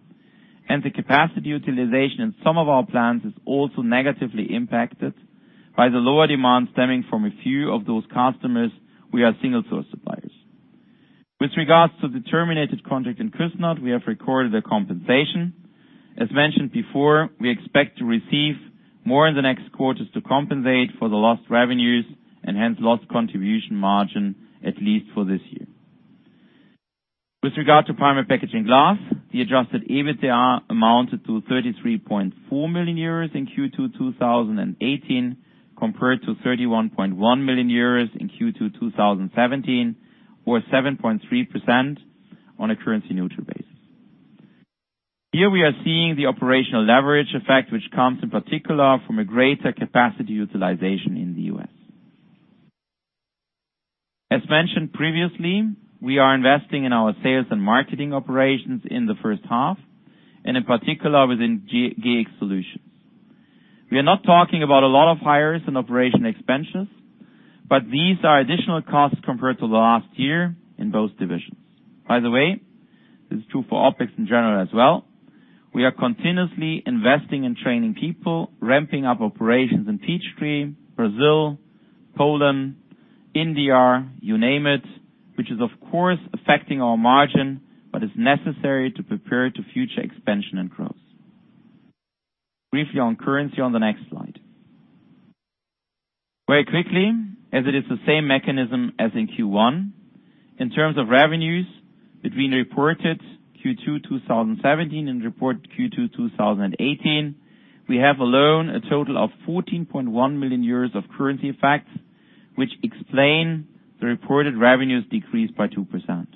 The capacity utilization in some of our plants is also negatively impacted by the lower demand stemming from a few of those customers we are single-source suppliers. With regards to the terminated contract in Küsnacht, we have recorded a compensation. As mentioned before, we expect to receive more in the next quarters to compensate for the lost revenues and hence lost contribution margin, at least for this year. With regard to Primary Packaging Glass, the adjusted EBITDA amounted to 33.4 million euros in Q2 2018, compared to 31.1 million euros in Q2 2017, or 7.3% on a currency-neutral basis. Here, we are seeing the operational leverage effect, which comes in particular from a greater capacity utilization in the U.S. As mentioned previously, we are investing in our sales and marketing operations in the first half, in particular, within Gx Solutions. We are not talking about a lot of hires and operation expansions, these are additional costs compared to last year in both divisions. By the way, this is true for OpEx in general as well. We are continuously investing in training people, ramping up operations in Peachtree, Brazil, Poland, India, you name it, which is of course affecting our margin, but is necessary to prepare to future expansion and growth. Briefly on currency on the next slide. Very quickly, as it is the same mechanism as in Q1. In terms of revenues between reported Q2 2017 and reported Q2 2018, we have alone a total of 14.1 million euros of currency effects, which explain the reported revenues decreased by 2%.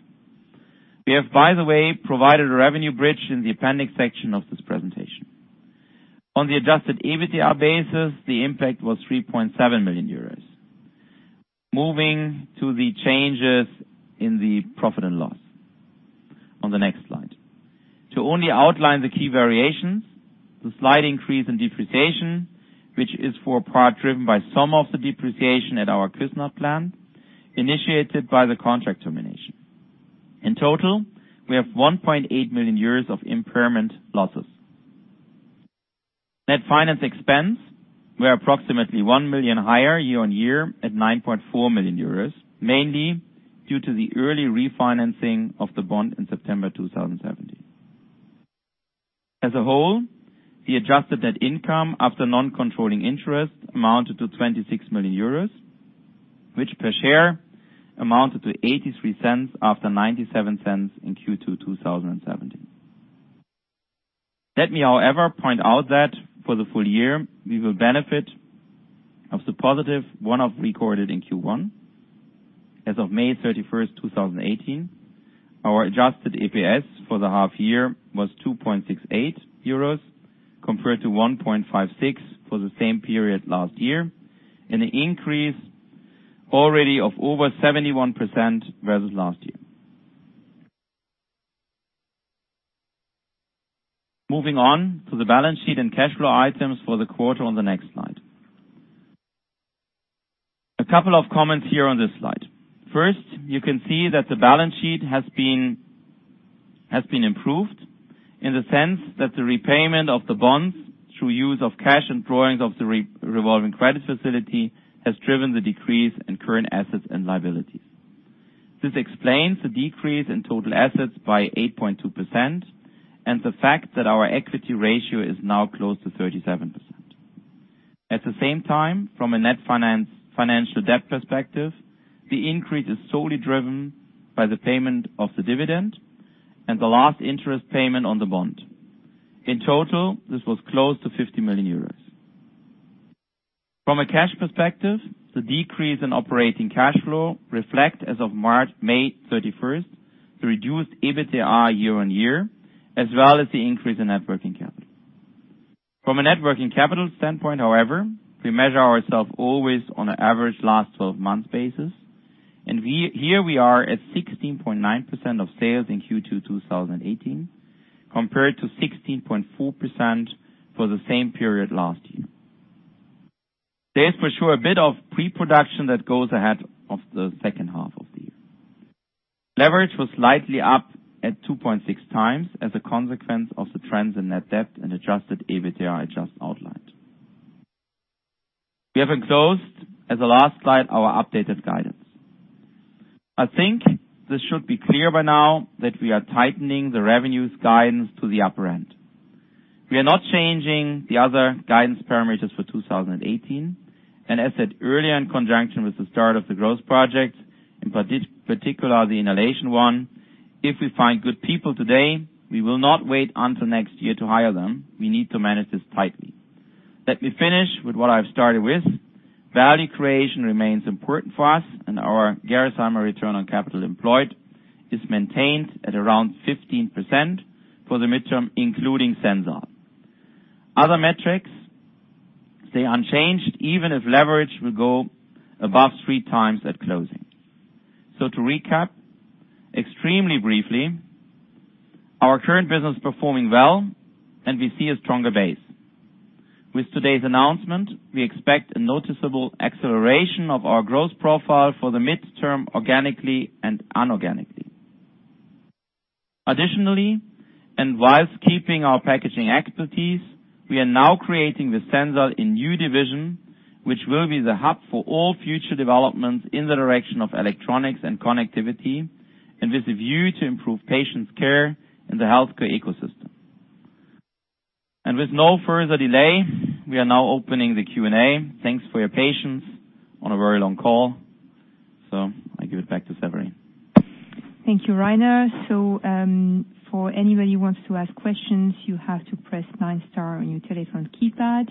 We have, by the way, provided a revenue bridge in the appendix section of this presentation. On the adjusted EBITDA basis, the impact was 3.7 million euros. Moving to the changes in the profit and loss on the next slide. To only outline the key variations, the slight increase in depreciation, which is for a part driven by some of the depreciation at our Küsnacht plant, initiated by the contract termination. In total, we have 1.8 million of impairment losses. Net finance expense were approximately 1 million higher year-on-year at 9.4 million euros, mainly due to the early refinancing of the bond in September 2017. As a whole, the adjusted net income after non-controlling interest amounted to 26 million euros, which per share amounted to 0.83 after 0.97 in Q2 2017. Let me, however, point out that for the full year, we will benefit of the positive one-off recorded in Q1. As of May 31st, 2018, our adjusted EPS for the half year was 2.68 euros, compared to 1.56 for the same period last year, and an increase already of over 71% versus last year. Moving on to the balance sheet and cash flow items for the quarter on the next slide. A couple of comments here on this slide. First, you can see that the balance sheet has been improved in the sense that the repayment of the bonds through use of cash and drawings of the revolving credit facility has driven the decrease in current assets and liabilities. This explains the decrease in total assets by 8.2% and the fact that our equity ratio is now close to 37%. At the same time, from a net financial debt perspective, the increase is solely driven by the payment of the dividend and the last interest payment on the bond. In total, this was close to 50 million euros. From a cash perspective, the decrease in operating cash flow reflect as of May 31st, the reduced EBITDA year-over-year, as well as the increase in net working capital. From a net working capital standpoint, however, we measure ourself always on an average last 12 months basis, and here we are at 16.9% of sales in Q2 2018, compared to 16.4% for the same period last year. There is for sure a bit of pre-production that goes ahead of the second half of the year. Leverage was slightly up at 2.6 times as a consequence of the trends in net debt and adjusted EBITDA I just outlined. We have enclosed as a last slide our updated guidance. I think this should be clear by now that we are tightening the revenues guidance to the upper end. We are not changing the other guidance parameters for 2018, and as said earlier in conjunction with the start of the growth project, in particular the inhalation one, if we find good people today, we will not wait until next year to hire them. We need to manage this tightly. Let me finish with what I've started with. Value creation remains important for us, and our Gerresheimer Return on Capital Employed is maintained at around 15% for the midterm, including Sensile. Other metrics stay unchanged even if leverage will go above three times at closing. To recap extremely briefly, our current business is performing well, and we see a stronger base. With today's announcement, we expect a noticeable acceleration of our growth profile for the midterm, organically and inorganically. Additionally, and whilst keeping our packaging expertise, we are now creating the Sensile in a new division, which will be the hub for all future developments in the direction of electronics and connectivity, and with a view to improve patient's care in the healthcare ecosystem. With no further delay, we are now opening the Q&A. Thanks for your patience on a very long call. I give it back to Severine.
Thank you, Rainer. For anybody who wants to ask questions, you have to press nine star on your telephone keypad.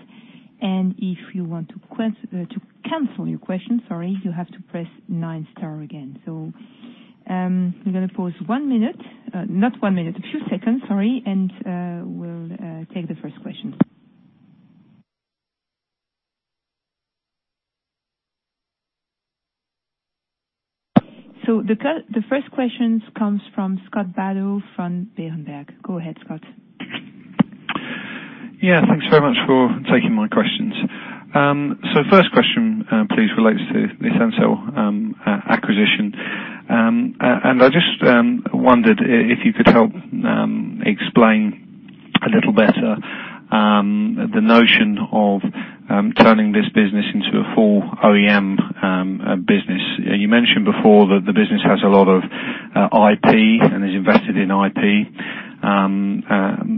If you want to cancel your question, you have to press nine star again. We're going to pause one minute. Not one minute, a few seconds, sorry. We'll take the first question. The first question comes from Scott Bardo from Berenberg. Go ahead, Scott.
Thanks very much for taking my questions. First question, please, relates to the Sensile acquisition. I just wondered if you could help explain a little better, the notion of turning this business into a full OEM business. You mentioned before that the business has a lot of IP and is invested in IP.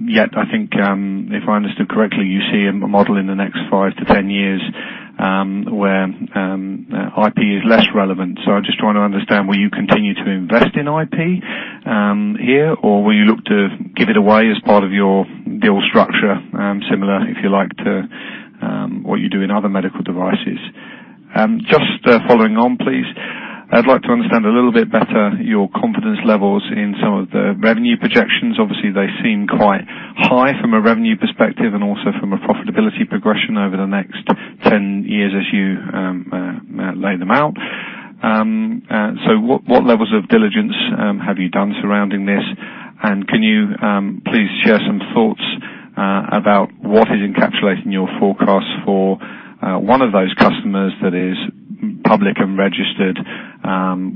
Yet I think, if I understood correctly, you see a model in the next 5 to 10 years, where IP is less relevant. I'm just trying to understand, will you continue to invest in IP here or will you look to give it away as part of your deal structure? Similar, if you like, to what you do in other medical devices. Just following on, please, I'd like to understand a little bit better your confidence levels in some of the revenue projections. Obviously, they seem quite high from a revenue perspective and also from a profitability progression over the next 10 years as you laid them out. What levels of diligence have you done surrounding this? Can you please share some thoughts about what is encapsulating your forecast for one of those customers that is public and registered,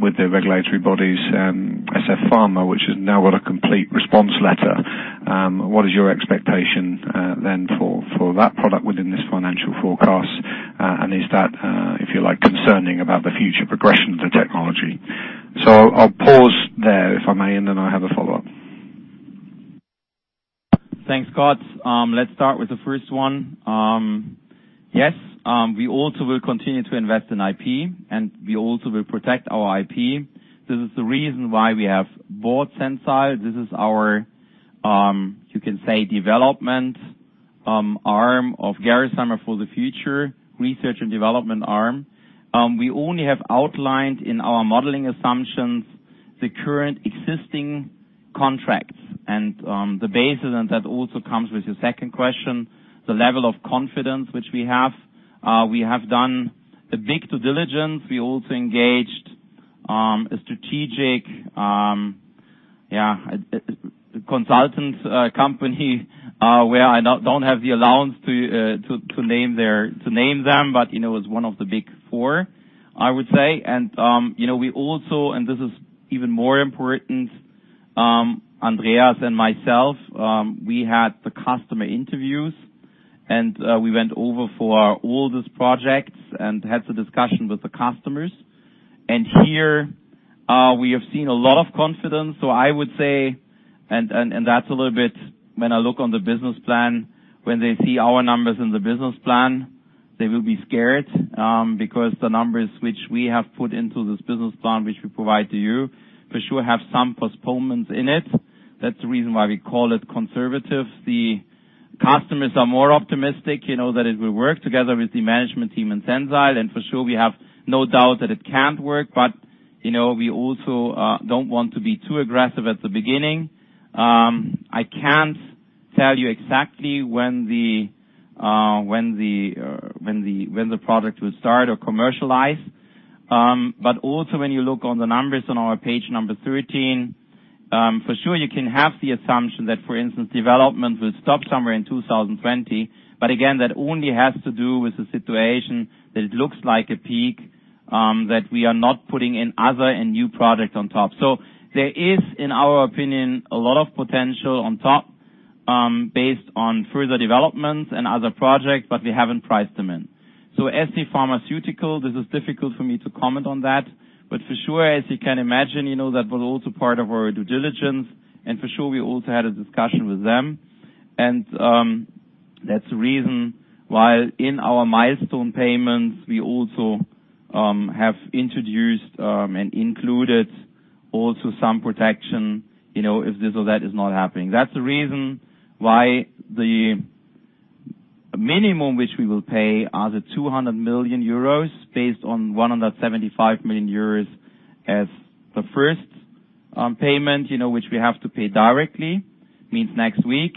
with the regulatory bodies, scPharmaceuticals, which has now got a Complete Response Letter. What is your expectation then for that product within this financial forecast? Is that, if you like, concerning about the future progression of the technology? I'll pause there if I may, and then I have a follow-up.
Thanks, Scott. Let's start with the first one. Yes, we also will continue to invest in IP, and we also will protect our IP. This is the reason why we have bought Sensile. This is our, you can say, development arm of Gerresheimer for the future, research and development arm. We only have outlined in our modeling assumptions the current existing contracts and the basis. That also comes with your second question, the level of confidence which we have. We have done a big due diligence. We also engaged a strategic consultant company, where I don't have the allowance to name them, but it was one of the big four, I would say. We also, this is even more important, Andreas and myself, we had the customer interviews, and we went over for all these projects and had a discussion with the customers. Here, we have seen a lot of confidence. I would say, that's a little bit when I look on the business plan, when they see our numbers in the business plan, they will be scared, because the numbers which we have put into this business plan, which we provide to you, for sure have some postponements in it. That's the reason why we call it conservative. The customers are more optimistic, that it will work together with the management team in Sensile. For sure, we have no doubt that it can work, but we also don't want to be too aggressive at the beginning. I can't tell you exactly when the product will start or commercialize. When you look on the numbers on our page 13, for sure you can have the assumption that, for instance, development will stop somewhere in 2020. Again, that only has to do with the situation that it looks like a peak, that we are not putting in other and new products on top. There is, in our opinion, a lot of potential on top, based on further developments and other projects, but we haven't priced them in. scPharmaceuticals, this is difficult for me to comment on that, but for sure, as you can imagine, that was also part of our due diligence. For sure, we also had a discussion with them. That's the reason why in our milestone payments, we also have introduced and included also some protection, if this or that is not happening. That's the reason why the minimum which we will pay are the 200 million euros based on 175 million euros as the first on payment, which we have to pay directly, means next week,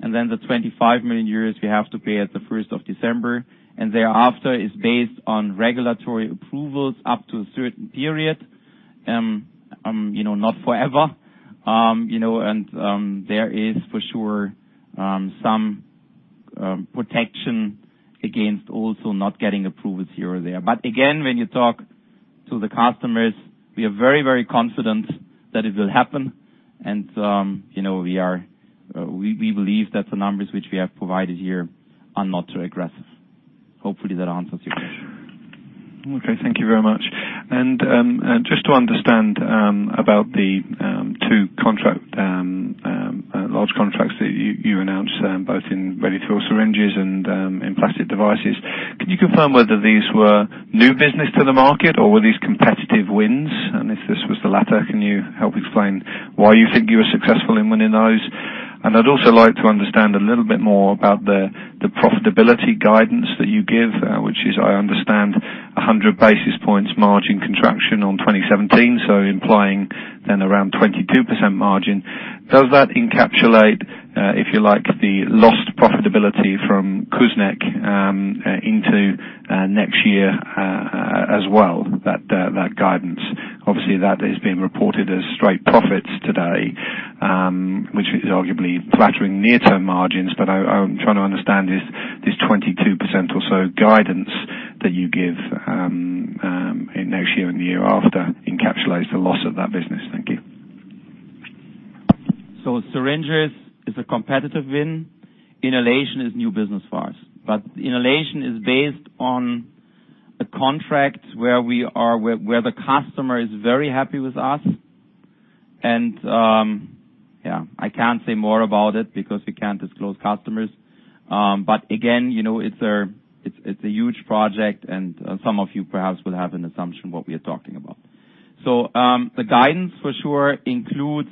then the 25 million euros we have to pay at the 1st of December, and thereafter is based on regulatory approvals up to a certain period. Not forever. There is for sure some protection against also not getting approvals here or there. Again, when you talk to the customers, we are very confident that it will happen. We believe that the numbers which we have provided here are not too aggressive. Hopefully, that answers your question.
Okay, thank you very much. Just to understand about the two large contracts that you announced both in ready-to-fill syringes and in plastic devices. Could you confirm whether these were new business to the market or were these competitive wins? If this was the latter, can you help explain why you think you were successful in winning those? I'd also like to understand a little bit more about the profitability guidance that you give which is, I understand, 100 basis points margin contraction on 2017, implying then around 22% margin. Does that encapsulate, if you like, the lost profitability from Küsnacht into next year as well, that guidance? That is being reported as straight profits today, which is arguably flattering near-term margins. I'm trying to understand this 22% or so guidance that you give in next year and the year after encapsulates the loss of that business. Thank you.
Syringes is a competitive win. Inhalation is new business for us. Inhalation is based on a contract where the customer is very happy with us. I can't say more about it because we can't disclose customers. Again, it's a huge project, and some of you perhaps will have an assumption what we are talking about. The guidance for sure includes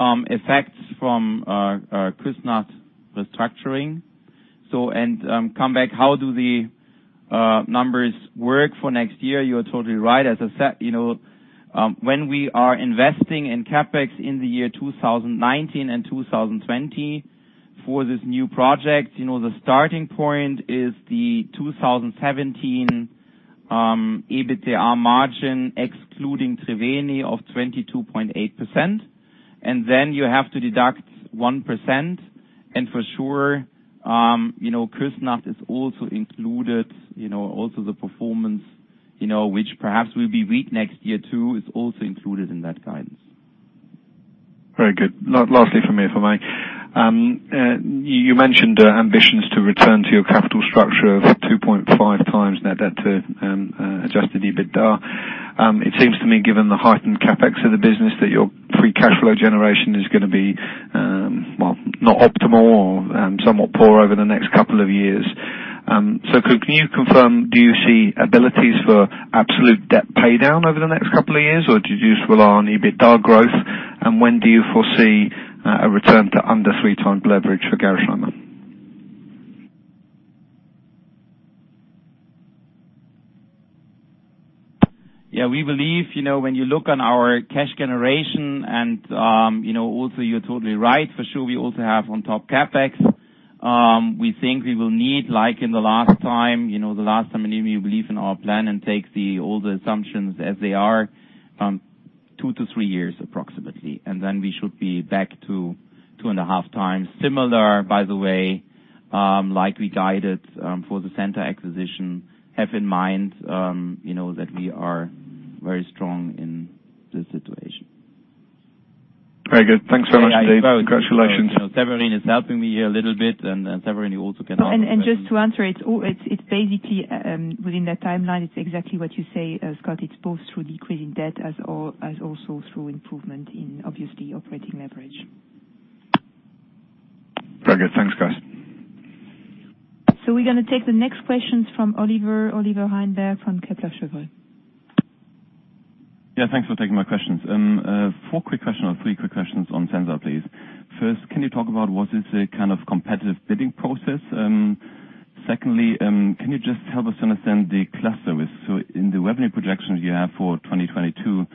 effects from Küsnacht restructuring. How do the numbers work for next year? You are totally right. When we are investing in CapEx in the year 2019 and 2020 for this new project, the starting point is the 2017 EBITDA margin excluding Triveni of 22.8%. Then you have to deduct 1%. For sure, Küsnacht is also included, also the performance, which perhaps will be red next year, too. It's also included in that guidance.
Very good. Lastly from me, if I may. You mentioned ambitions to return to your capital structure of 2.5 times net debt to adjusted EBITDA. It seems to me, given the heightened CapEx of the business, that your free cash flow generation is going to be not optimal or somewhat poor over the next couple of years. Can you confirm, do you see abilities for absolute debt paydown over the next couple of years, or did you just rely on EBITDA growth, and when do you foresee a return to under three-time leverage for Gerresheimer?
We believe, when you look on our cash generation and also you're totally right, for sure we also have on top CapEx. We think we will need, like in the last time, the last time, and even we believe in our plan and take all the assumptions as they are, two to three years approximately. Then we should be back to two and a half times. Similar, by the way, like we guided for the Sensile acquisition. Have in mind that we are very strong in this situation.
Very good. Thanks very much, Rainer. Congratulations.
Severine is helping me here a little bit. Severine, you also can answer the question.
Just to answer it's basically within that timeline, it's exactly what you say, Scott. It's both through decreasing debt as also through improvement in obviously operating leverage.
Very good. Thanks, guys.
We're going to take the next questions from Oliver. Oliver Reinberg from Kepler Cheuvreux.
Yeah, thanks for taking my questions. three quick questions on Sensile, please. First, can you talk about was this a kind of competitive bidding process? Secondly, can you just help us understand the cluster risk? In the revenue projections you have for 2022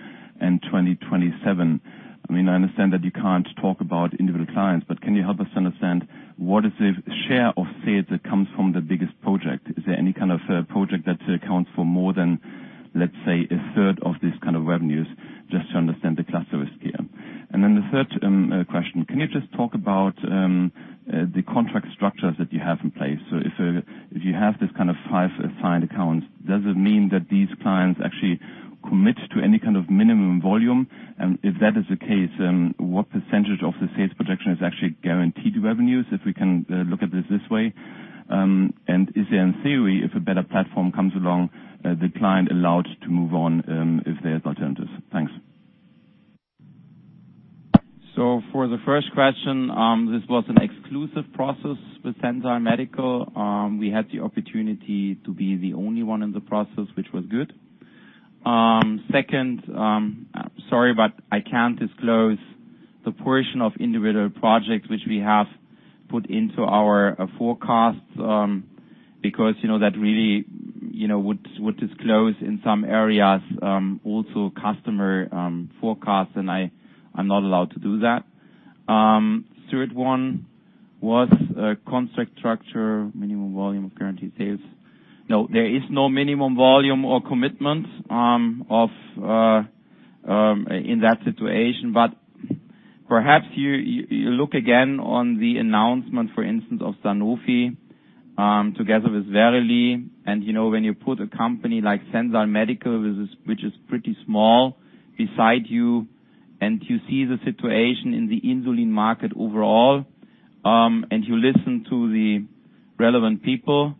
and 2027, I mean, I understand that you can't talk about individual clients, but can you help us understand what is the share of sales that comes from the biggest project? Is there any kind of project that accounts for more than, let's say, a third of this kind of revenues, just to understand the cluster risk here. The third question, can you just talk about the contract structures that you have in place? If you have this kind of five assigned accounts, does it mean that these clients actually commit to any kind of minimum volume? If that is the case, what percentage of the sales projection is actually guaranteed revenues, if we can look at it this way? Is it in theory, if a better platform comes along, the client allowed to move on, if there's alternatives? Thanks.
For the first question, this was an exclusive process with Sensile Medical. We had the opportunity to be the only one in the process, which was good. Second, sorry, but I can't disclose the portion of individual projects which we have put into our forecasts, because that really would disclose in some areas also customer forecasts, and I'm not allowed to do that. Third one was contract structure, minimum volume of guaranteed sales. No, there is no minimum volume or commitment in that situation. Perhaps you look again on the announcement, for instance, of Sanofi, together with Verily, when you put a company like Sensile Medical, which is pretty small, beside you and you see the situation in the insulin market overall, you listen to the relevant people,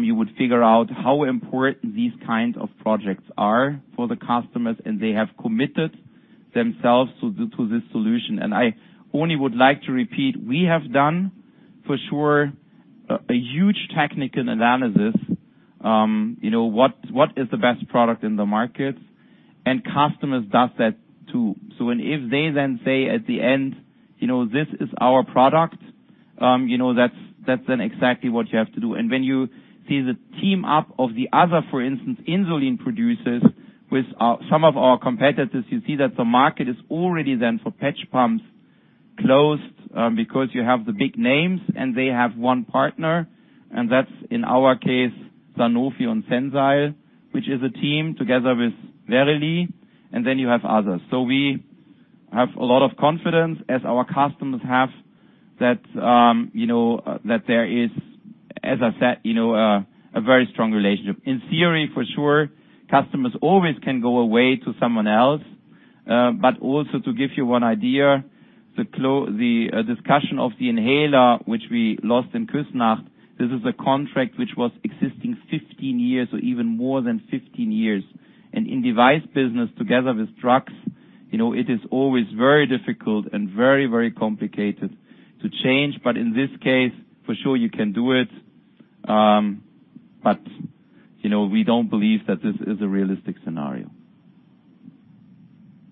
you would figure out how important these kinds of projects are for the customers, and they have committed themselves to this solution. I only would like to repeat, we have done for sure, a huge technical analysis. What is the best product in the market? Customers does that too. When if they then say at the end, "This is our product," that's then exactly what you have to do. When you see the team up of the other, for instance, insulin producers with some of our competitors, you see that the market is already then for patch pumps closed, because you have the big names and they have one partner, and that's, in our case, Sanofi and Sensile, which is a team together with Verily, and then you have others. We have a lot of confidence, as our customers have, that there is, as I said, a very strong relationship. In theory, for sure, customers always can go away to someone else. Also to give you one idea, the discussion of the inhaler, which we lost in Küsnacht, this is a contract which was existing 15 years or even more than 15 years. In device business together with drugs, it is always very difficult and very complicated to change. In this case, for sure you can do it. We don't believe that this is a realistic scenario.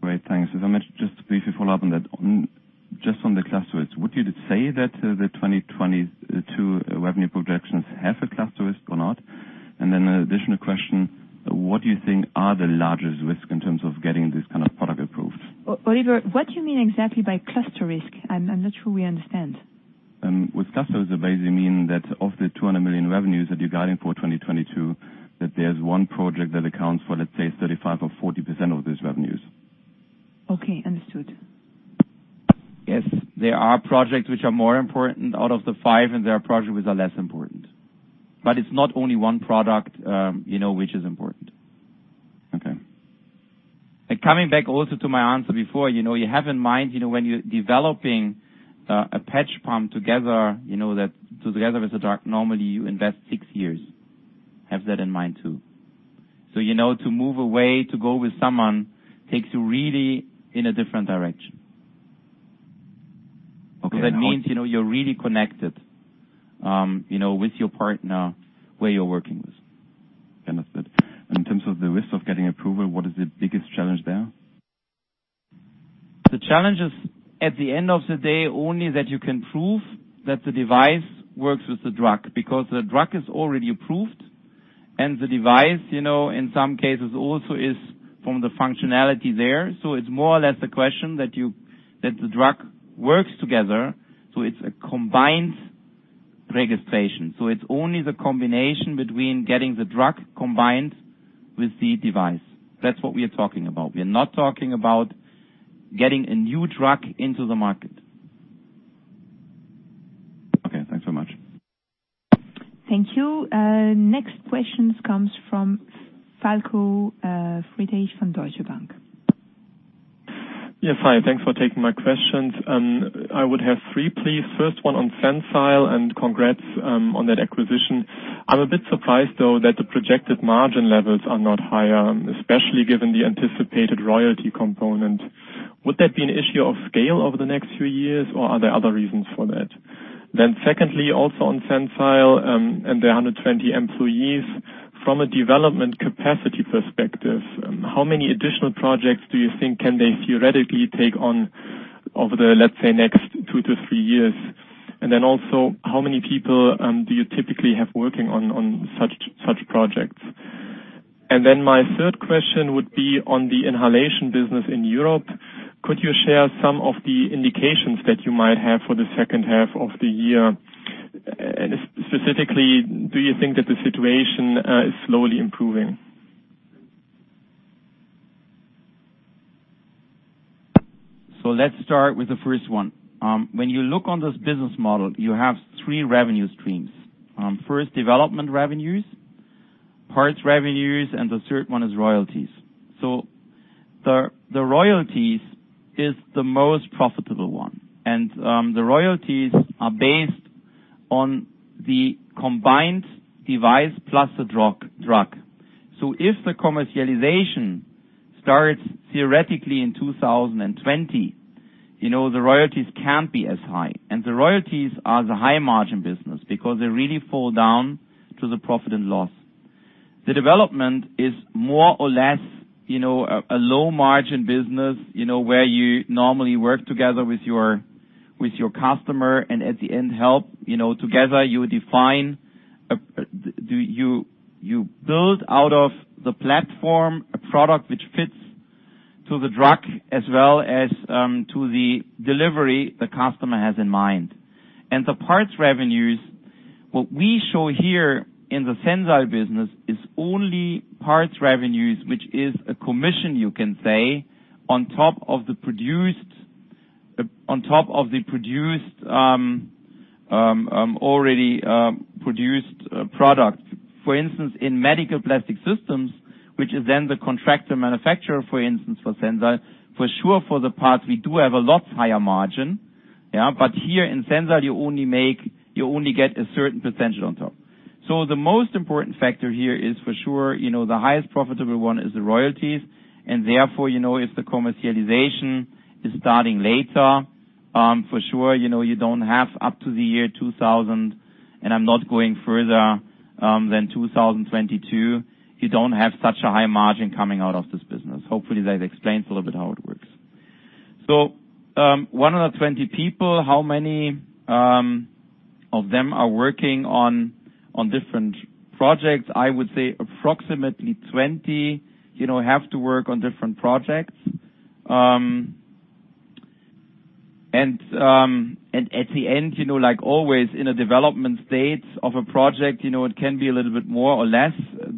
Great. Thanks. If I might just briefly follow up on that. Just on the cluster risk. Would you say that the 2022 revenue projections have a cluster risk or not? Then an additional question, what do you think are the largest risk in terms of getting this kind of product approved?
Oliver, what do you mean exactly by cluster risk? I'm not sure we understand.
With cluster risk I basically mean that of the 200 million revenues that you're guiding for 2022, that there's one project that accounts for, let's say, 35% or 40% of those revenues.
Okay, understood.
Yes. There are projects which are more important out of the five, and there are projects which are less important. It's not only one product which is important.
Okay.
Coming back also to my answer before, you have in mind, when you're developing a patch pump together with a drug, normally you invest six years. Have that in mind, too. To move away to go with someone takes you really in a different direction.
Okay.
That means you're really connected with your partner where you're working with.
Understood. In terms of the risk of getting approval, what is the biggest challenge there?
The challenge is at the end of the day, only that you can prove that the device works with the drug. The drug is already approved and the device, in some cases also is from the functionality there. It's more or less the question that the drug works together. It's a combined registration. It's only the combination between getting the drug combined with the device. That's what we are talking about. We're not talking about getting a new drug into the market.
Thanks so much.
Thank you. Next questions comes from Falko Friedrichs from Deutsche Bank.
Yes. Hi. Thanks for taking my questions. I would have three, please. First one on Sensile, congrats on that acquisition. I'm a bit surprised, though, that the projected margin levels are not higher, especially given the anticipated royalty component. Would that be an issue of scale over the next few years or are there other reasons for that? Secondly, also on Sensile, and the 120 employees. From a development capacity perspective, how many additional projects do you think can they theoretically take on over the, let's say, next two to three years? Also, how many people do you typically have working on such projects? My third question would be on the inhalation business in Europe. Could you share some of the indications that you might have for the second half of the year? Specifically, do you think that the situation is slowly improving?
Let's start with the first one. When you look on this business model, you have three revenue streams. First, development revenues, parts revenues, and the third one is royalties. The royalties is the most profitable one. The royalties are based on the combined device plus the drug. If the commercialization starts theoretically in 2020, the royalties can't be as high. The royalties are the high margin business because they really fall down to the profit and loss. The development is more or less a low margin business, where you normally work together with your customer and at the end help. Together you build out of the platform a product which fits to the drug as well as to the delivery the customer has in mind. The parts revenues, what we show here in the Sensile business is only parts revenues, which is a commission, you can say, on top of the already produced product. For instance, in Medical Plastic Systems, which is then the contractor manufacturer, for instance, for Sensile, for sure for the parts, we do have a lot higher margin. Here in Sensile, you only get a certain percentage on top. The most important factor here is for sure, the highest profitable one is the royalties, and therefore, if the commercialization is starting later, for sure, you don't have up to the year 2000, and I'm not going further than 2022. You don't have such a high margin coming out of this business. Hopefully, that explains a little bit how it works. 120 people, how many of them are working on different projects? I would say approximately 20 have to work on different projects. At the end, like always in a development state of a project, it can be a little bit more or less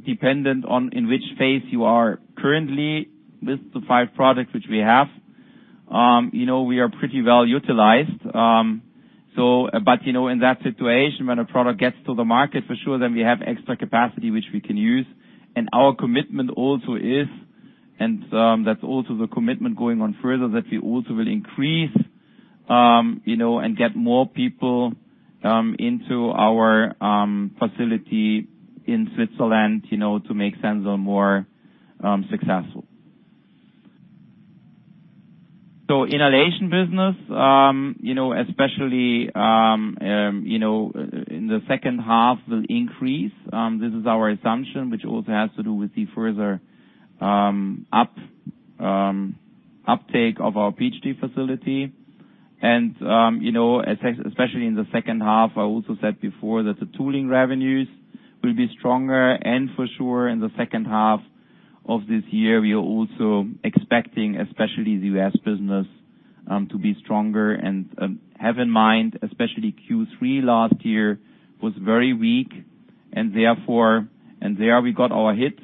dependent on in which phase you are currently with the five products which we have. We are pretty well-utilized. In that situation, when a product gets to the market for sure, then we have extra capacity which we can use. Our commitment also is, and that's also the commitment going on further, that we also will increase, and get more people into our facility in Switzerland to make Sensile more successful. Inhalation business, especially in the second half will increase. This is our assumption, which also has to do with the further uptake of our Peachtree facility. Especially in the second half, I also said before that the tooling revenues will be stronger and for sure in the second half of this year, we are also expecting, especially the U.S. business, to be stronger. Have in mind, especially Q3 last year was very weak and there we got our hit.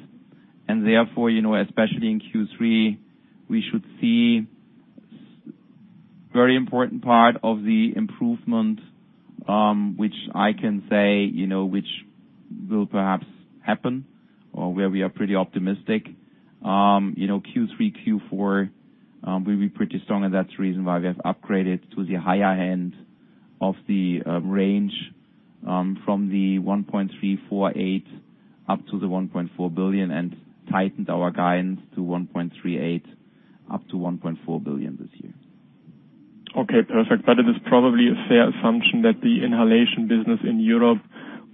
Therefore, especially in Q3, we should see very important part of the improvement, which I can say, which will perhaps happen or where we are pretty optimistic. Q3, Q4 will be pretty strong and that's the reason why we have upgraded to the higher end of the range from 1.348 billion up to 1.4 billion and tightened our guidance to 1.38 billion up to 1.4 billion this year.
Okay, perfect. It is probably a fair assumption that the inhalation business in Europe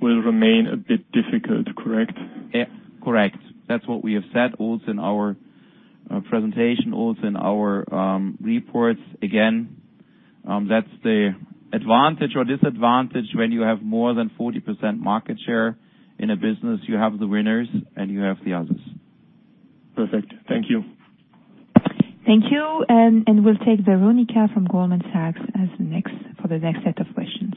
will remain a bit difficult, correct?
Yeah, correct. That's what we have said also in our presentation, also in our reports. Again, that's the advantage or disadvantage when you have more than 40% market share in a business. You have the winners and you have the others.
Perfect. Thank you.
Thank you. We'll take Veronika from Goldman Sachs for the next set of questions.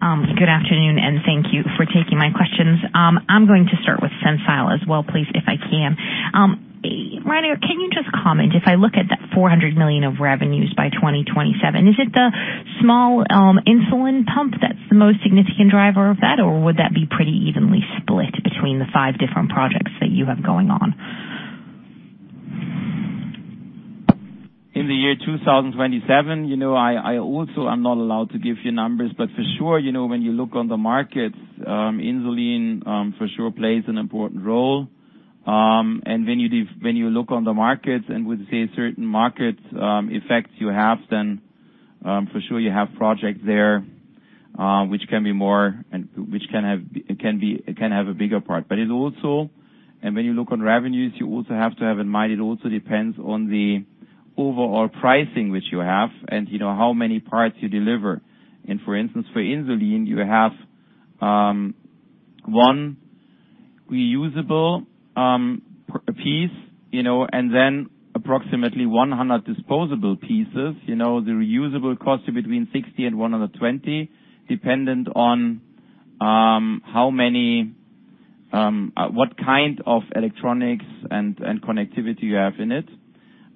Good afternoon. Thank you for taking my questions. I'm going to start with Sensile as well, please, if I can. Rainer, can you just comment, if I look at that 400 million of revenues by 2027, is it the small insulin pump that's the most significant driver of that, or would that be pretty evenly split between the five different projects that you have going on?
In the year 2027, I also am not allowed to give you numbers, for sure, when you look on the markets, insulin for sure plays an important role. When you look on the markets and would say certain markets effects you have, then for sure you have projects there, which can have a bigger part. It also, and when you look on revenues, you also have to have in mind, it also depends on the overall pricing which you have and how many parts you deliver. For instance, for insulin, you have one reusable piece, and then approximately 100 disposable pieces. The reusable costs you between 60 and 120, dependent on what kind of electronics and connectivity you have in it.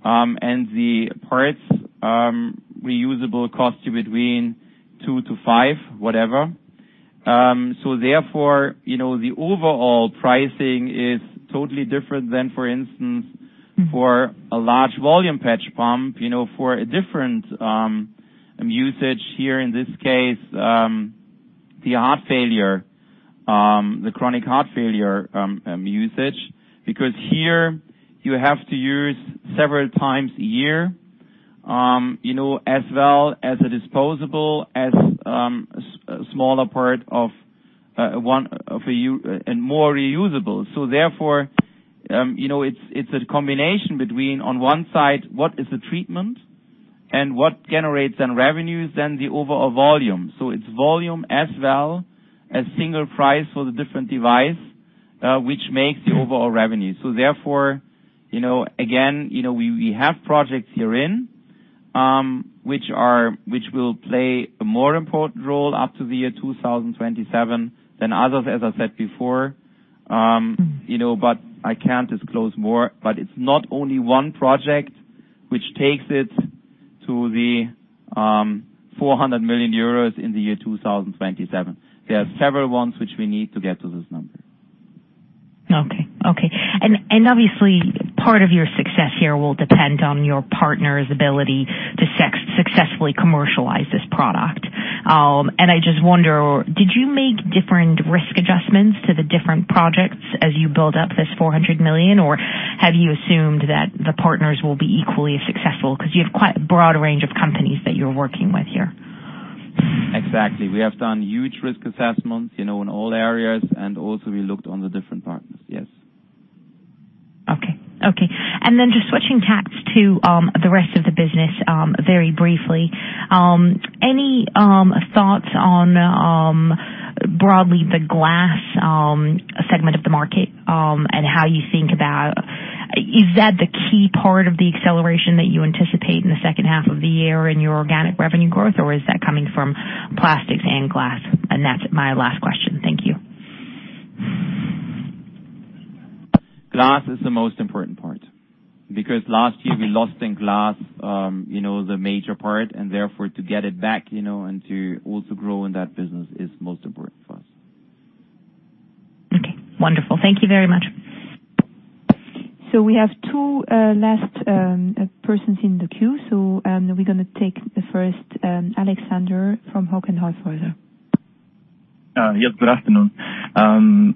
The parts reusable cost you between two to five, whatever. Therefore, the overall pricing is totally different than, for instance, for a large volume patch pump, for a different usage here in this case, the chronic heart failure usage. Here you have to use several times a year as well as a disposable, as a smaller part of one, and more reusable. Therefore, it's a combination between, on one side, what is the treatment and what generates the revenues, then the overall volume. It's volume as well as single price for the different device, which makes the overall revenue. Therefore, again, we have projects herein, which will play a more important role up to the year 2027 than others, as I said before. I can't disclose more. It's not only one project which takes it to the 400 million euros in the year 2027. There are several ones which we need to get to this number.
Okay. Obviously, part of your success here will depend on your partner's ability to successfully commercialize this product. I just wonder, did you make different risk adjustments to the different projects as you build up this 400 million, or have you assumed that the partners will be equally as successful? You have quite a broad range of companies that you're working with here.
Exactly. We have done huge risk assessments in all areas, and also we looked on the different partners, yes.
Okay. Just switching caps to the rest of the business, very briefly. Any thoughts on, broadly, the glass segment of the market, and how you think about Is that the key part of the acceleration that you anticipate in the second half of the year in your organic revenue growth, or is that coming from plastics and glass? That's my last question. Thank you.
Glass is the most important part. Last year we lost in glass, the major part, and therefore to get it back, and to also grow in that business is most important for us.
Okay. Wonderful. Thank you very much.
We have two last persons in the queue. We're going to take the first, Alexander from Hauck & Aufhäuser.
Yes, good afternoon.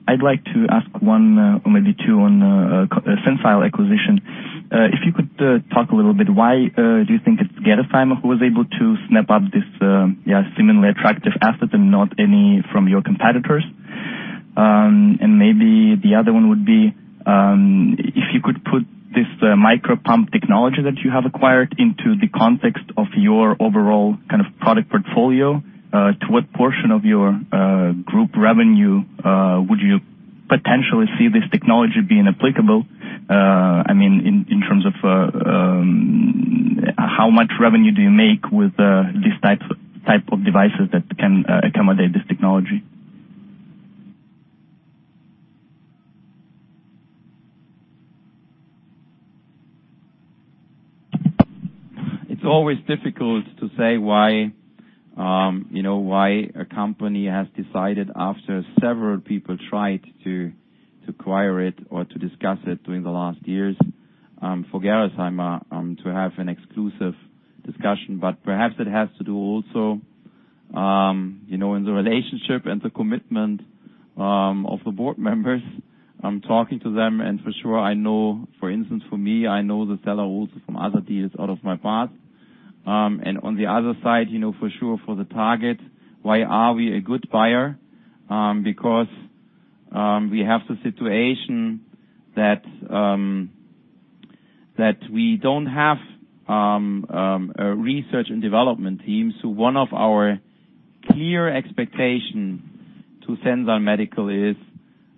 I'd like to ask one or maybe two on Sensile acquisition. If you could talk a little bit, why do you think it's Gerresheimer who was able to snap up this seemingly attractive asset and not any from your competitors? Maybe the other one would be, if you could put this micro pump technology that you have acquired into the context of your overall product portfolio, to what portion of your group revenue would you potentially see this technology being applicable, in terms of how much revenue do you make with these type of devices that can accommodate this technology?
It's always difficult to say why a company has decided after several people tried to acquire it or to discuss it during the last years, for Gerresheimer to have an exclusive discussion. Perhaps it has to do also in the relationship and the commitment of the board members. I'm talking to them and for sure I know, for instance, for me, I know the seller also from other deals out of my past. On the other side, for sure for the target, why are we a good buyer? Because we have the situation that we don't have a research and development team. One of our clear expectation to Sensile Medical is,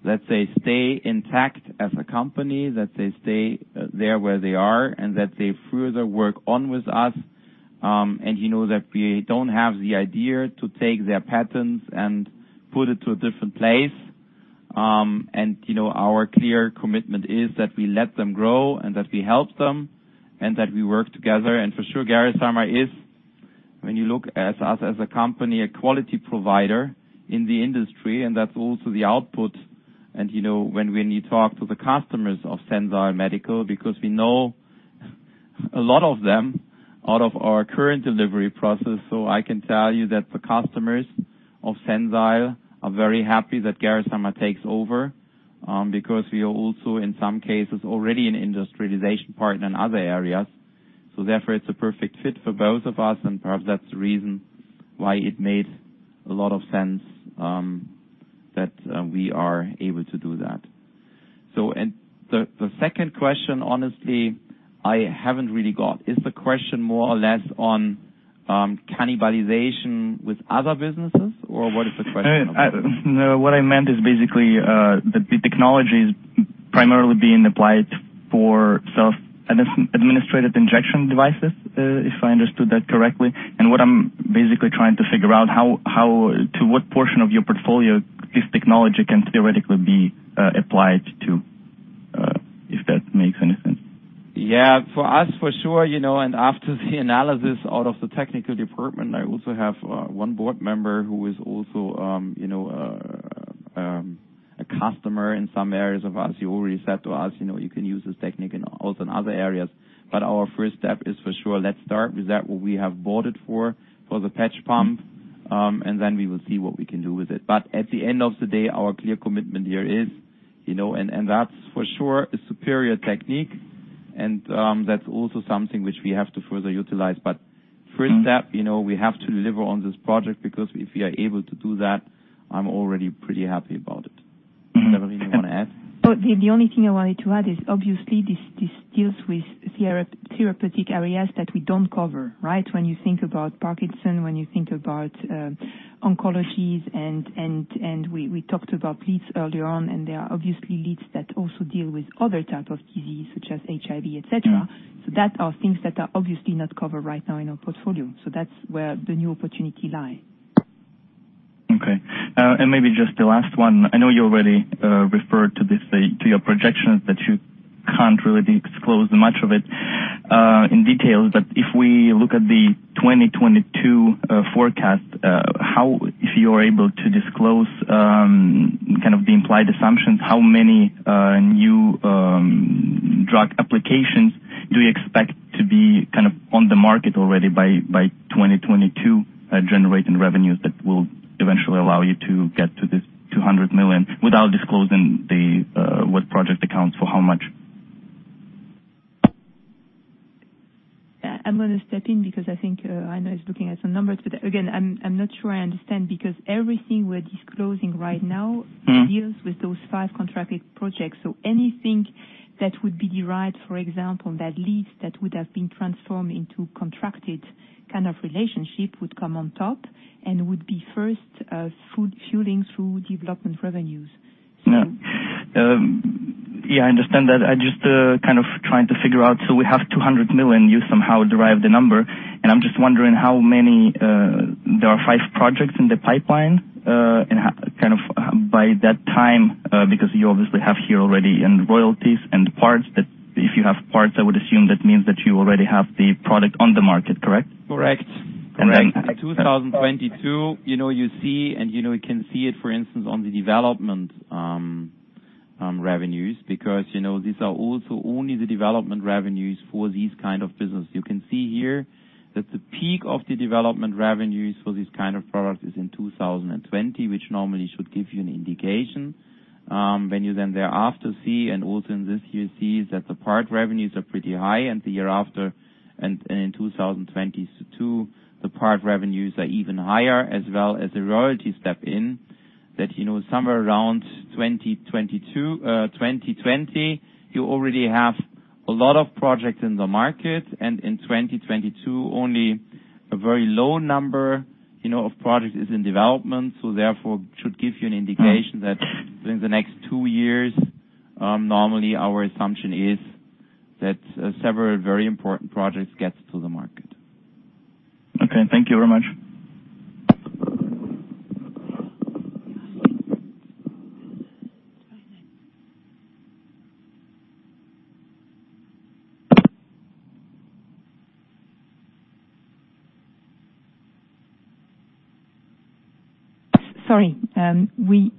let's say, stay intact as a company, that they stay there where they are, and that they further work on with us. That we don't have the idea to take their patents and put it to a different place. Our clear commitment is that we let them grow and that we help them, and that we work together. For sure, Gerresheimer is, when you look at us as a company, a quality provider in the industry, and that's also the output. When you talk to the customers of Sensile Medical, because we know a lot of them out of our current delivery process. I can tell you that the customers of Sensile are very happy that Gerresheimer takes over, because we are also, in some cases, already an industrialization partner in other areas. Therefore it's a perfect fit for both of us and perhaps that's the reason why it made a lot of sense that we are able to do that. The second question, honestly, I haven't really got. Is the question more or less on cannibalization with other businesses, or what is the question about it?
What I meant is basically, the technology is primarily being applied for self-administrated injection devices, if I understood that correctly. What I'm basically trying to figure out, to what portion of your portfolio this technology can theoretically be applied to. If that makes any sense.
For us, for sure, after the analysis out of the technical department, I also have one board member who is also a customer in some areas of us who already said to us, "You can use this technique also in other areas." Our first step is for sure let's start with that what we have bought it for the patch pump, we will see what we can do with it. At the end of the day, our clear commitment here is that's for sure a superior technique, that's also something which we have to further utilize. First step, we have to deliver on this project, because if we are able to do that, I'm already pretty happy about it. Severine, you want to add?
The only thing I wanted to add is obviously this deals with therapeutic areas that we don't cover. When you think about Parkinson's disease, when you think about oncologies, and we talked about leads earlier on, and there are obviously leads that also deal with other types of disease such as HIV, et cetera. That are things that are obviously not covered right now in our portfolio. That's where the new opportunity lie. Okay. Maybe just the last one. I know you already referred to this, to your projections that you can't really disclose much of it in detail. If we look at the 2022 forecast, if you are able to disclose the implied assumptions, how many new drug applications do you expect to be on the market already by 2022 generating revenues that will eventually allow you to get to this 200 million without disclosing what project accounts for how much? I'm going to step in because I think Rainer is looking at some numbers. Again, I'm not sure I understand because everything we're disclosing right now- deals with those five contracted projects. Anything that would be derived, for example, that leads that would have been transformed into contracted kind of relationship would come on top and would be first fueling through development revenues.
Yeah. I'm just trying to figure out, we have 200 million, you somehow derive the number, and I'm just wondering how many There are five projects in the pipeline, and by that time, because you obviously have here already in royalties and parts that if you have parts, I would assume that means that you already have the product on the market, correct?
Correct.
And then- In 2022, you see, you can see it, for instance, on the development revenues, because these are also only the development revenues for these kind of business. You can see here that the peak of the development revenues for these kind of products is in 2020, which normally should give you an indication. When you then thereafter see, also in this you see that the part revenues are pretty high, the year after, in 2022, the part revenues are even higher as well as the royalty step in that somewhere around 2020, you already have a lot of projects in the market. In 2022, only a very low number of projects is in development. Therefore, should give you an indication that during the next two years, normally our assumption is that several very important projects gets to the market.
Okay. Thank you very much.
Sorry. We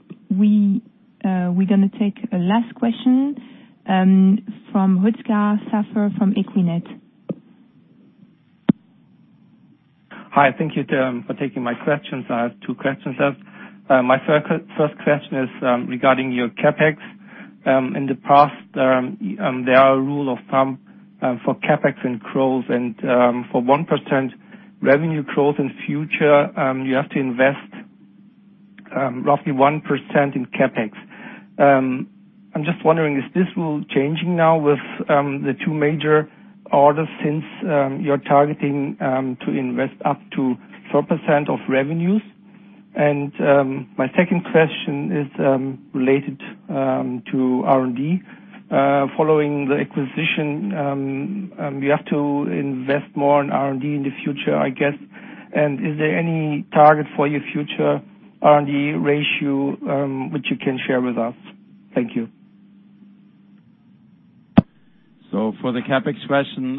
going to take a last question from Holger Saffer from Equinet.
Hi. Thank you for taking my questions. I have two questions to ask. My first question is regarding your CapEx. In the past, there are a rule of thumb for CapEx in growth and for 1% revenue growth in future you have to invest roughly 1% in CapEx. I'm just wondering, is this rule changing now with the two major orders since you're targeting to invest up to 4% of revenues? My second question is related to R&D. Following the acquisition you have to invest more in R&D in the future, I guess. Is there any target for your future R&D ratio which you can share with us? Thank you.
For the CapEx question,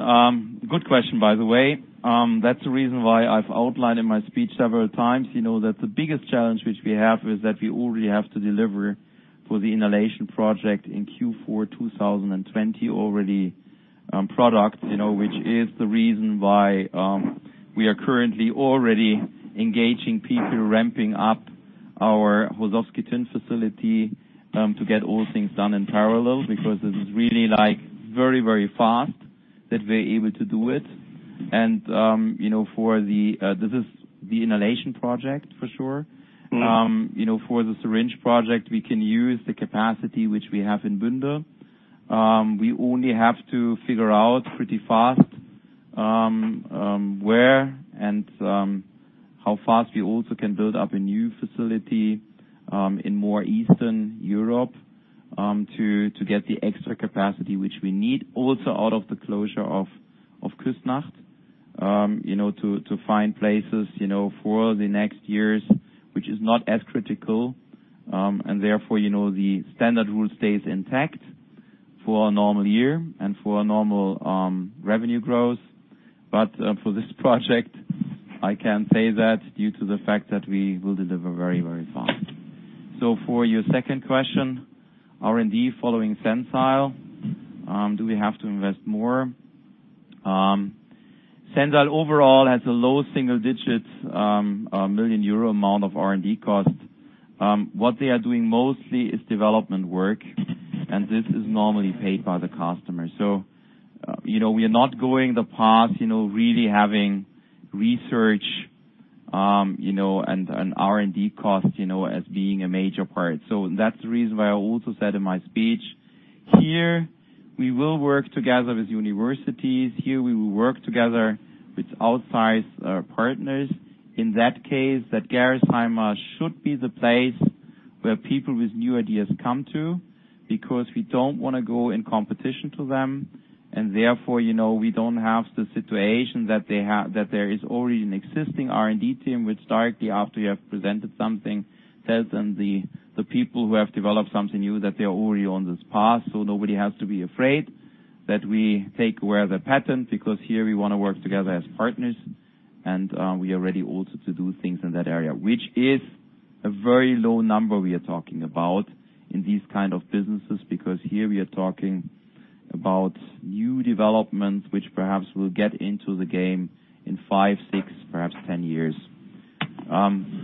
good question by the way. That's the reason why I've outlined in my speech several times, that the biggest challenge which we have is that we already have to deliver for the inhalation project in Q4 2020 already product, which is the reason why we are currently already engaging people ramping up our Horšovský Týn facility to get all things done in parallel because this is really very fast that we're able to do it. This is the inhalation project for sure. For the syringe project, we can use the capacity which we have in Bünde. We only have to figure out pretty fast where and how fast we also can build up a new facility in more Eastern Europe to get the extra capacity which we need also out of the closure of Küsnacht to find places for the next years, which is not as critical. Therefore, the standard rule stays intact for a normal year and for a normal revenue growth. For this project, I can say that due to the fact that we will deliver very fast. For your second question, R&D following Sensile, do we have to invest more? Sensile overall has a low single-digit million EUR amount of R&D cost. What they are doing mostly is development work, and this is normally paid by the customer. We are not going the path, really having research, and R&D cost, as being a major part. That's the reason why I also said in my speech, here, we will work together with universities. Here, we will work together with outside partners. In that case, that Gerresheimer should be the place where people with new ideas come to, because we don't want to go in competition to them, and therefore, we don't have the situation that there is already an existing R&D team which directly after you have presented something, tells them, the people who have developed something new, that they are already on this path. Nobody has to be afraid that we take away the patent, because here we want to work together as partners. We are ready also to do things in that area. Which is a very low number we are talking about in these kind of businesses, because here we are talking about new developments, which perhaps will get into the game in five, six, perhaps 10 years.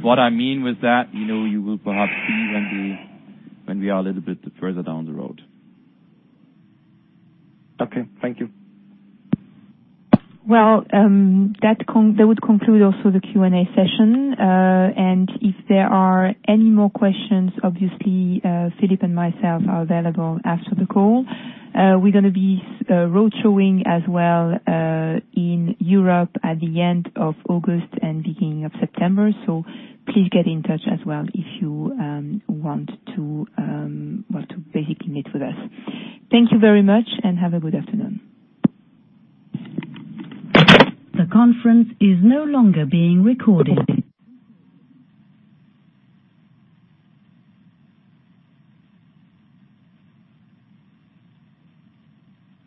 What I mean with that, you will perhaps see when we are a little bit further down the road.
Okay. Thank you.
Well, that would conclude also the Q&A session. If there are any more questions, obviously, Philipp and myself are available after the call. We're going to be road showing as well, in Europe at the end of August and beginning of September. Please get in touch as well if you want to basically meet with us. Thank you very much and have a good afternoon.
The conference is no longer being recorded.